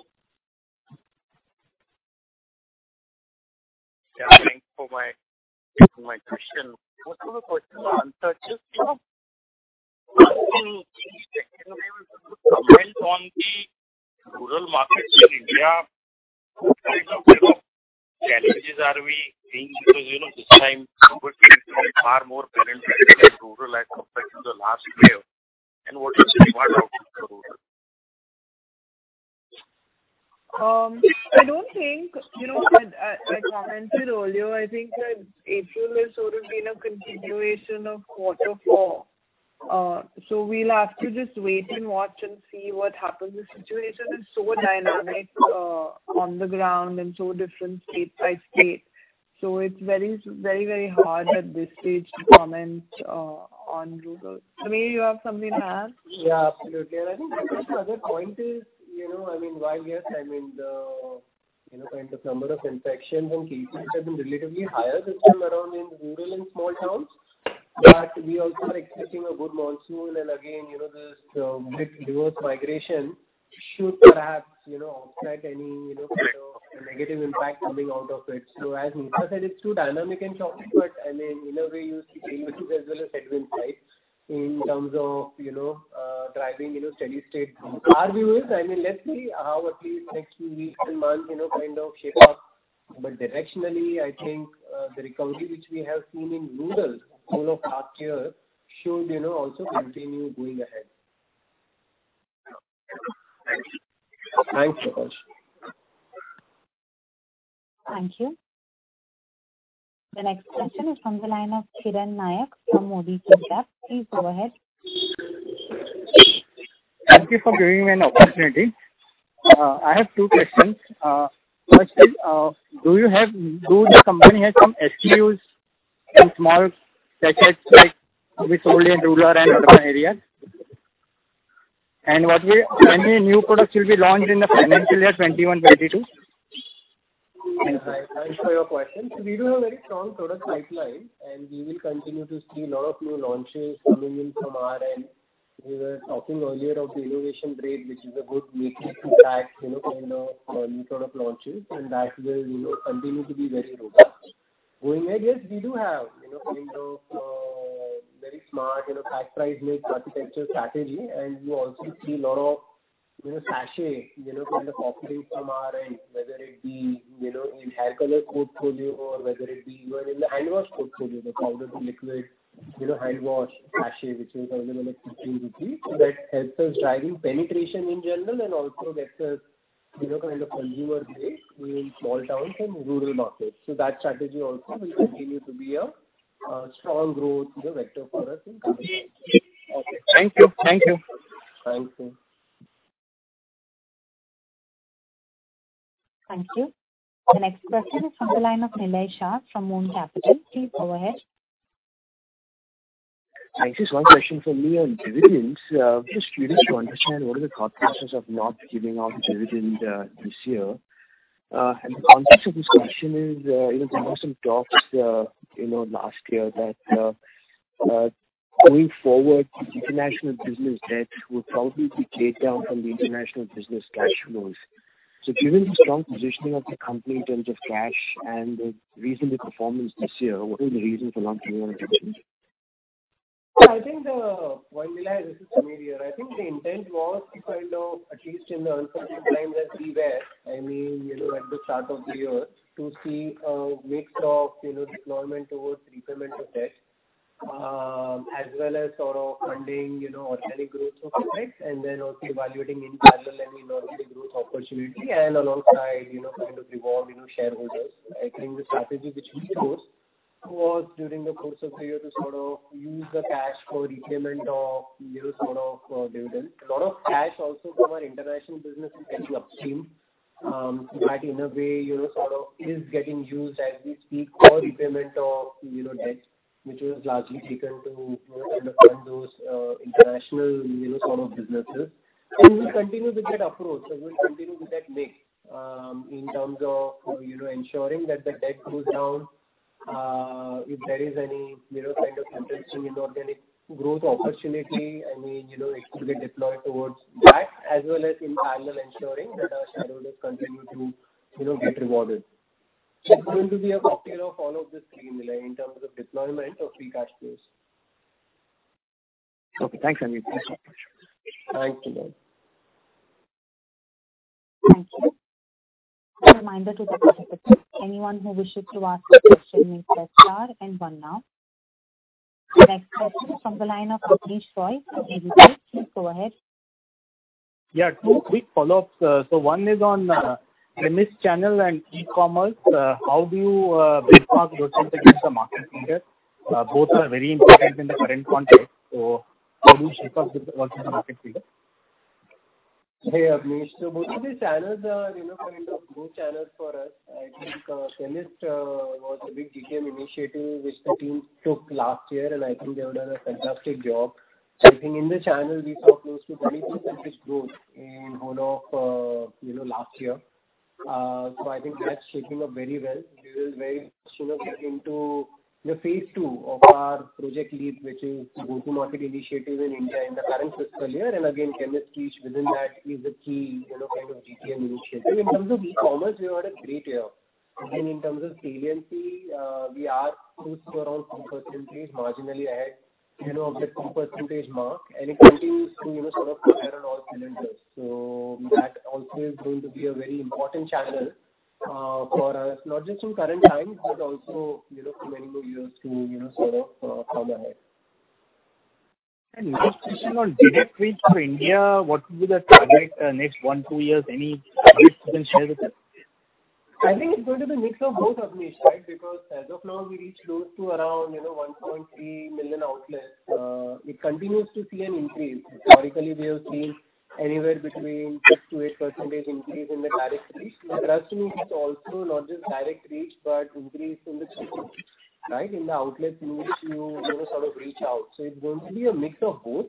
Speaker 16: Yeah, thanks for taking my question. First of all, I want to touch is comment on the rural markets in India. What kind of challenges are we seeing? This time, Q4 is far more dependent on rural as compared to the last year. What is the outlook for rural?
Speaker 3: I commented earlier, I think that April has sort of been a continuation of Q4. We'll have to just wait and watch and see what happens. The situation is so dynamic on the ground and so different state by state. It's very, very hard at this stage to comment on rural. Sameer, you have something to add?
Speaker 6: Yeah, absolutely. I think, Nisa, the other point is, while, yes, the number of infections and cases have been relatively higher this time around in rural and small towns, but we also are expecting a good monsoon. Again, this bit reverse migration should perhaps offset any kind of negative impact coming out of it. As Nisa said, it's too dynamic and choppy, but in a way you see tailwinds as well as headwinds, right, in terms of driving steady state. Our view is, let's see how at least next few weeks and months kind of shape up. Directionally, I think the recovery which we have seen in rural over half year should also continue going ahead.
Speaker 16: Thanks a lot.
Speaker 4: Thank you. The next question is from the line of Kiran Naik from Mody FinCap. Please go ahead.
Speaker 17: Thank you for giving me an opportunity. I have two questions. First is, do the company have some SKUs in small sachets like we sold in rural and urban areas? Any new products will be launched in the financial year 2021- 2022?
Speaker 6: Thanks for your questions. We do have very strong product pipeline, and we will continue to see lot of new launches coming in from our end. We were talking earlier of the innovation metric, which is a good metric to track kind of new product launches, and that will continue to be very robust. Going ahead, yes, we do have kind of very smart price mix architecture strategy, and you also see lot of sachet kind of offerings from our end, whether it be in hair color portfolio or whether it be even in the handwash portfolio, the powder-to-liquid handwash sachet, which was available at INR 15. That helps us driving penetration in general and also gets us kind of consumer base in small towns and rural markets. That strategy also will continue to be a strong growth vector for us in coming years.
Speaker 17: Thank you.
Speaker 6: Thank you.
Speaker 4: Thank you. The next question is from the line of Nilay Shah from Moon Capital. Please go ahead.
Speaker 18: Thanks. Just one question for me on dividends. Just curious to understand what are the thought process of not giving out dividend this year. The context of this question is, there were some talks last year that going forward, international business debt would probably be paid down from the international business cash flows. Given the strong positioning of the company in terms of cash and the recent performance this year, what is the reason for not paying any dividend?
Speaker 6: I think-hi Nilay, this is Sameer here. I think the intent was if, at least in the uncertain times that we were, at the start of the year, to see a mix of deployment towards repayment of debt as well as sort of funding organic growth CapEx, also evaluating in parallel any inorganic growth opportunity and alongside reward shareholders. I think the strategy which we chose was during the course of the year to sort of use the cash for repayment of dividends. A lot of cash also from our international businesses gets upstreamed. That in a way sort of is getting used as we speak for repayment of debt, which was largely taken to fund those international sort of businesses. We'll continue with that approach, we'll continue with that mix in terms of ensuring that the debt goes down. If there is any kind of interesting inorganic growth opportunity, it could get deployed towards that as well as in parallel ensuring that our shareholders continue to get rewarded. It's going to be a cocktail of all of these three, Nilay, in terms of deployment of free cash flows.
Speaker 18: Okay, thanks, Sameer.
Speaker 6: Thanks, Nilay.
Speaker 4: Thank you. A reminder to participants, anyone who wishes to ask a question may press star and one now. The next question is from the line of Abneesh Roy from Edelweiss. Please go ahead.
Speaker 5: Yeah, Two quick follow-ups. One is on chemist channel and e-commerce. How do you benchmark those against the market leader? Both are very important in the current context. How do you shape up with what the market leader?
Speaker 6: Hey, Abneesh. Both of these channels are kind of growth channels for us. I think chemist was a big GTM initiative which the team took last year, and I think they have done a fantastic job. I think in the channel, we saw close to 20%+ growth in whole of last year. I think that's shaping up very well. We will very soon get into the phase II of our Project LEAP, which is go-to-market initiative in India in the current fiscal year. Again, chemist piece within that is the key kind of GTM initiative. In terms of e-commerce, we had a great year. Again, in terms of saliency, we are close to around 3% range, marginally ahead of the 3% mark, and it continues to sort of fire on all cylinders. That also is going to be a very important channel for us, not just in current times, but also for many more years to come ahead.
Speaker 5: Next question on direct reach for India. What would be the target next one, two years? Any updates you can share with us?
Speaker 6: I think it's going to be a mix of both, Abneesh. As of now, we reach close to around 1.3 million outlets. It continues to see an increase. Historically, we have seen anywhere between 6%-8% increase in the direct reach. For us to reach, it's also not just direct reach, but increase in the outlets in which you sort of reach out. It's going to be a mix of both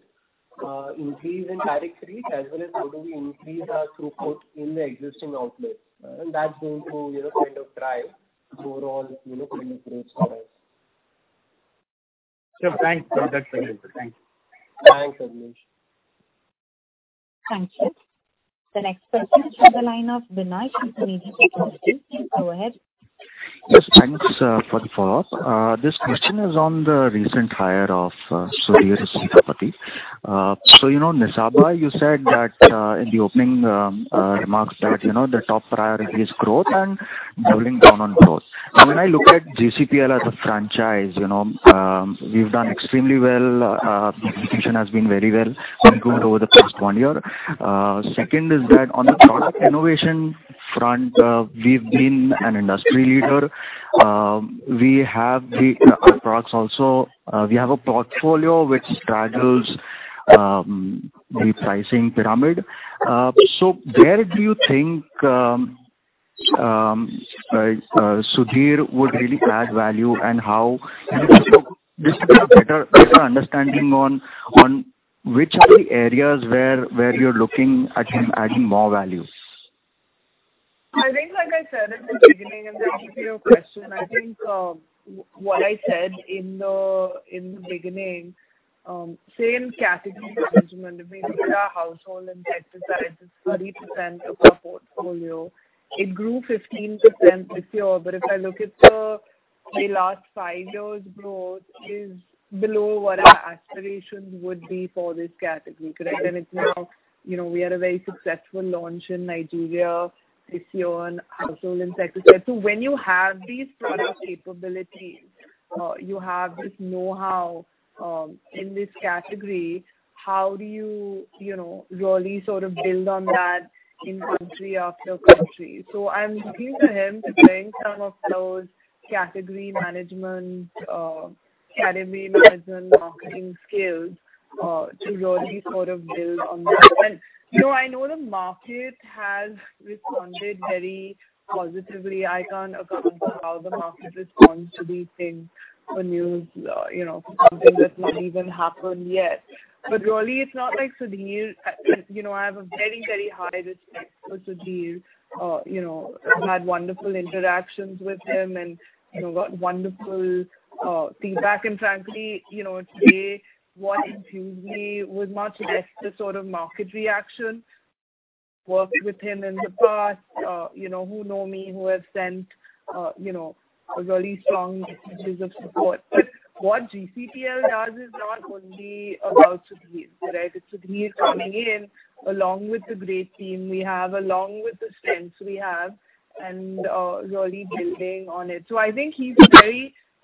Speaker 6: increase in direct reach as well as how do we increase our throughput in the existing outlets. That's going to drive overall penetrates for us.
Speaker 5: Sure. Thanks. That's helpful. Thank you.
Speaker 6: Thanks, Abneesh.
Speaker 4: Thank you. The next question is from the line of Binoy from Sunidhi Securities. Please go ahead.
Speaker 15: Yes, thanks for the follow-up. This question is on the recent hire of Sudhir Sitapati. Nisaba, you said that in the opening remarks that the top priority is growth and doubling down on growth. Now, when I look at GCPL as a franchise, we've done extremely well. Execution has been very well improved over the past one year. Second is that on the product innovation front, we've been an industry leader. We have a portfolio which straddles the pricing pyramid. Where do you think Sudhir would really add value, just to get a better understanding on which are the areas where you're looking at him adding more value?
Speaker 3: I think like I said in the beginning and to answer your question, I think what I said in the beginning, same category management. When you look at our household insecticides, it's 30% of our portfolio. It grew 15% this year. If I look at the last five years growth, is below what our aspirations would be for this category. Correct? We had a very successful launch in Nigeria this year on household insecticides. When you have these product capabilities, you have this know-how in this category, how do you really sort of build on that in country after country? I'm looking to him to bring some of those category management marketing skills to really sort of build on that. I know the market has responded very positively. I can't account for how the market responds to these things or news, for something that's not even happened yet. Really, it's not like- I have a very, very high respect for Sudhir. I've had wonderful interactions with him and got wonderful feedback. Frankly, today what enthused me was much less the sort of market reaction. Worked with him in the past who know me, who have sent really strong messages of support. What GCPL does is not only about Sudhir. It's Sudhir coming in along with the great team we have, along with the strengths we have, and really building on it. I think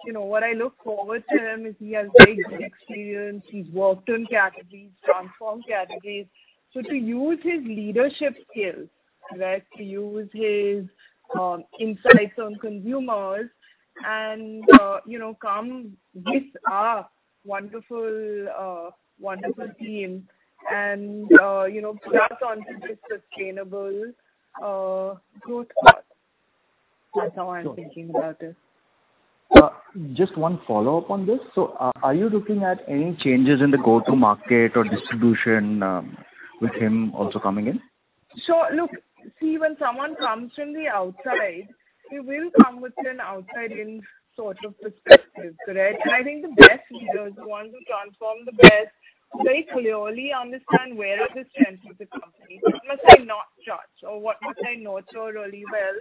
Speaker 3: What I look forward to him is he has very good experience. He's worked on categories, transformed categories. To use his leadership skills, to use his insights on consumers, and come with our wonderful team and grasp onto this sustainable growth path. That is how I am thinking about it.
Speaker 15: Just one follow-up on this. Are you looking at any changes in the go-to-market or distribution with him also coming in?
Speaker 3: Sure. Look, see, when someone comes from the outside, he will come with an outside-in sort of perspective. Correct? I think the best leaders, the ones who transform the best, very clearly understand where are the strengths of the company. What must I not touch or what must I nurture really well?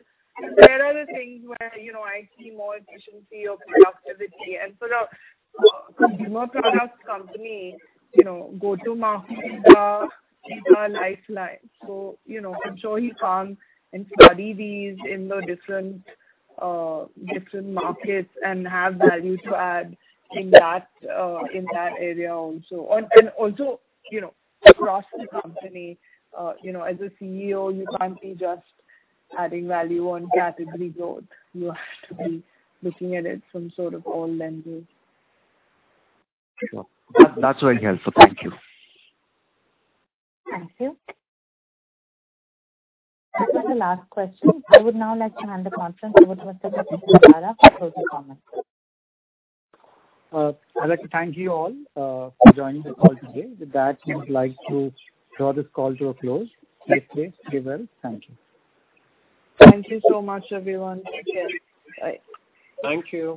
Speaker 3: Where are the things where I see more efficiency or productivity? For a consumer products company, go to market is our lifeline. I'm sure he comes and study these in the different markets and have value to add in that area also. Also, across the company, as a CEO, you can't be just adding value on category growth. You have to be looking at it from sort of all lenses.
Speaker 15: Sure. That's very helpful. Thank you.
Speaker 4: Thank you. That was the last question. I would now like to hand the conference over to Mr. Pratik Dantara for closing comments.
Speaker 2: I'd like to thank you all for joining the call today. With that, we would like to draw this call to a close. Stay safe, stay well. Thank you.
Speaker 3: Thank you so much, everyone. Take care. Bye.
Speaker 6: Thank you.